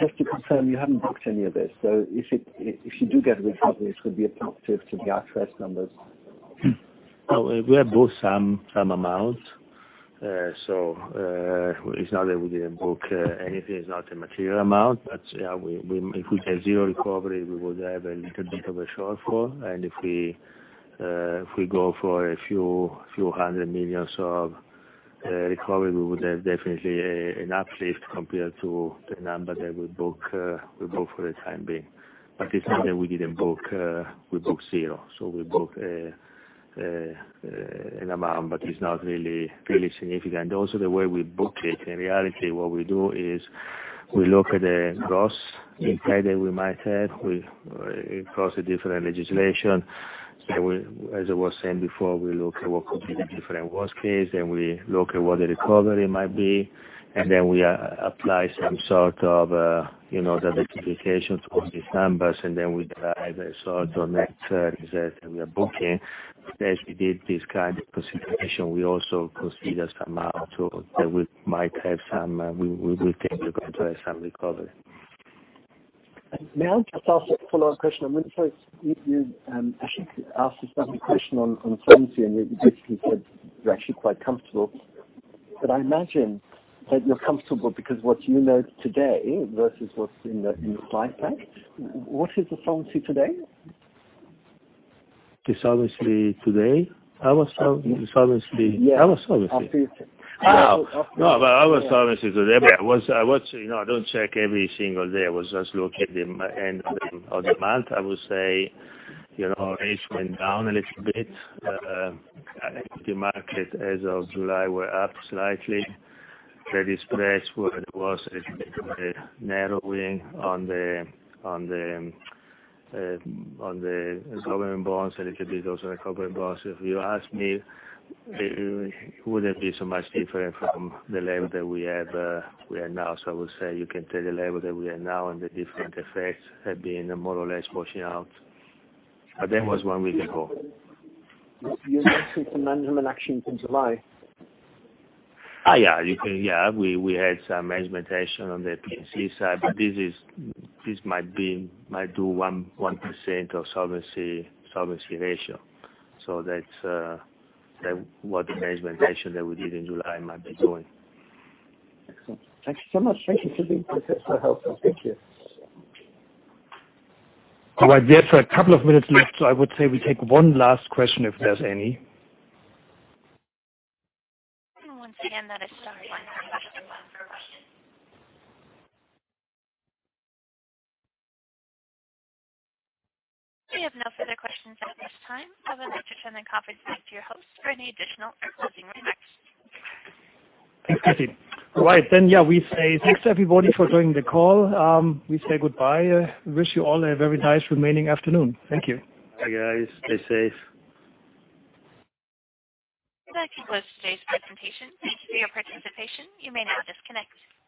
S7: Just to confirm, you haven't booked any of this. If you do get a recovery, this would be additive to the IFRS numbers.
S3: We have booked some amounts. It's not that we didn't book anything. It's not a material amount. If we have zero recovery, we would have a little bit of a shortfall. If we go for a few hundred millions euros of recovery, we would have definitely an uplift compared to the number that we book for the time being. It's not that we didn't book. We booked zero. We booked an amount, but it's not really significant. The way we book it, in reality, what we do is we look at the gross impact that we might have across the different legislation. As I was saying before, we look at what could be the different worst case, and we look at what the recovery might be, and then we apply some sort of diversification to all these numbers, and then we derive a sort of net reserve that we are booking. As we did this kind of consideration, we also consider some amount that we think we're going to have some recovery.
S7: May I just ask a follow-up question? I'm going to say, I think you asked a similar question on solvency. You basically said you're actually quite comfortable. I imagine that you're comfortable because what you know today versus what's in the flight pack. What is the solvency today?
S3: The solvency today? Our solvency?
S7: Yeah.
S3: Our solvency.
S7: After-
S3: No, our solvency today, but I don't check every single day. I was just looking at the end of the month. I would say, it's went down a little bit. Equity market as of July were up slightly. Credit spreads where there was a little bit of a narrowing on the government bonds, a little bit also on the corporate bonds. If you ask me, it wouldn't be so much different from the level that we are now. I would say you can take the level that we are now and the different effects have been more or less washing out. That was one week ago.
S7: You mentioned some management action in July.
S3: Yeah. We had some management action on the P&C side, but this might do one percent of solvency ratio. That's what the management action that we did in July might be doing.
S7: Excellent. Thank you so much. Thank you for being so helpful. Thank you.
S2: All right. We have a couple of minutes left, I would say we take one last question, if there's any.
S1: Once again, that is star one followed by the number one for questions. We have no further questions at this time. I would like to turn the conference back to your host for any additional or closing remarks.
S2: Thanks, Tracy. All right. Yeah, we say thanks everybody for joining the call. We say goodbye. Wish you all a very nice remaining afternoon. Thank you.
S3: Bye, guys. Stay safe.
S1: That concludes today's presentation. Thank you for your participation. You may now disconnect.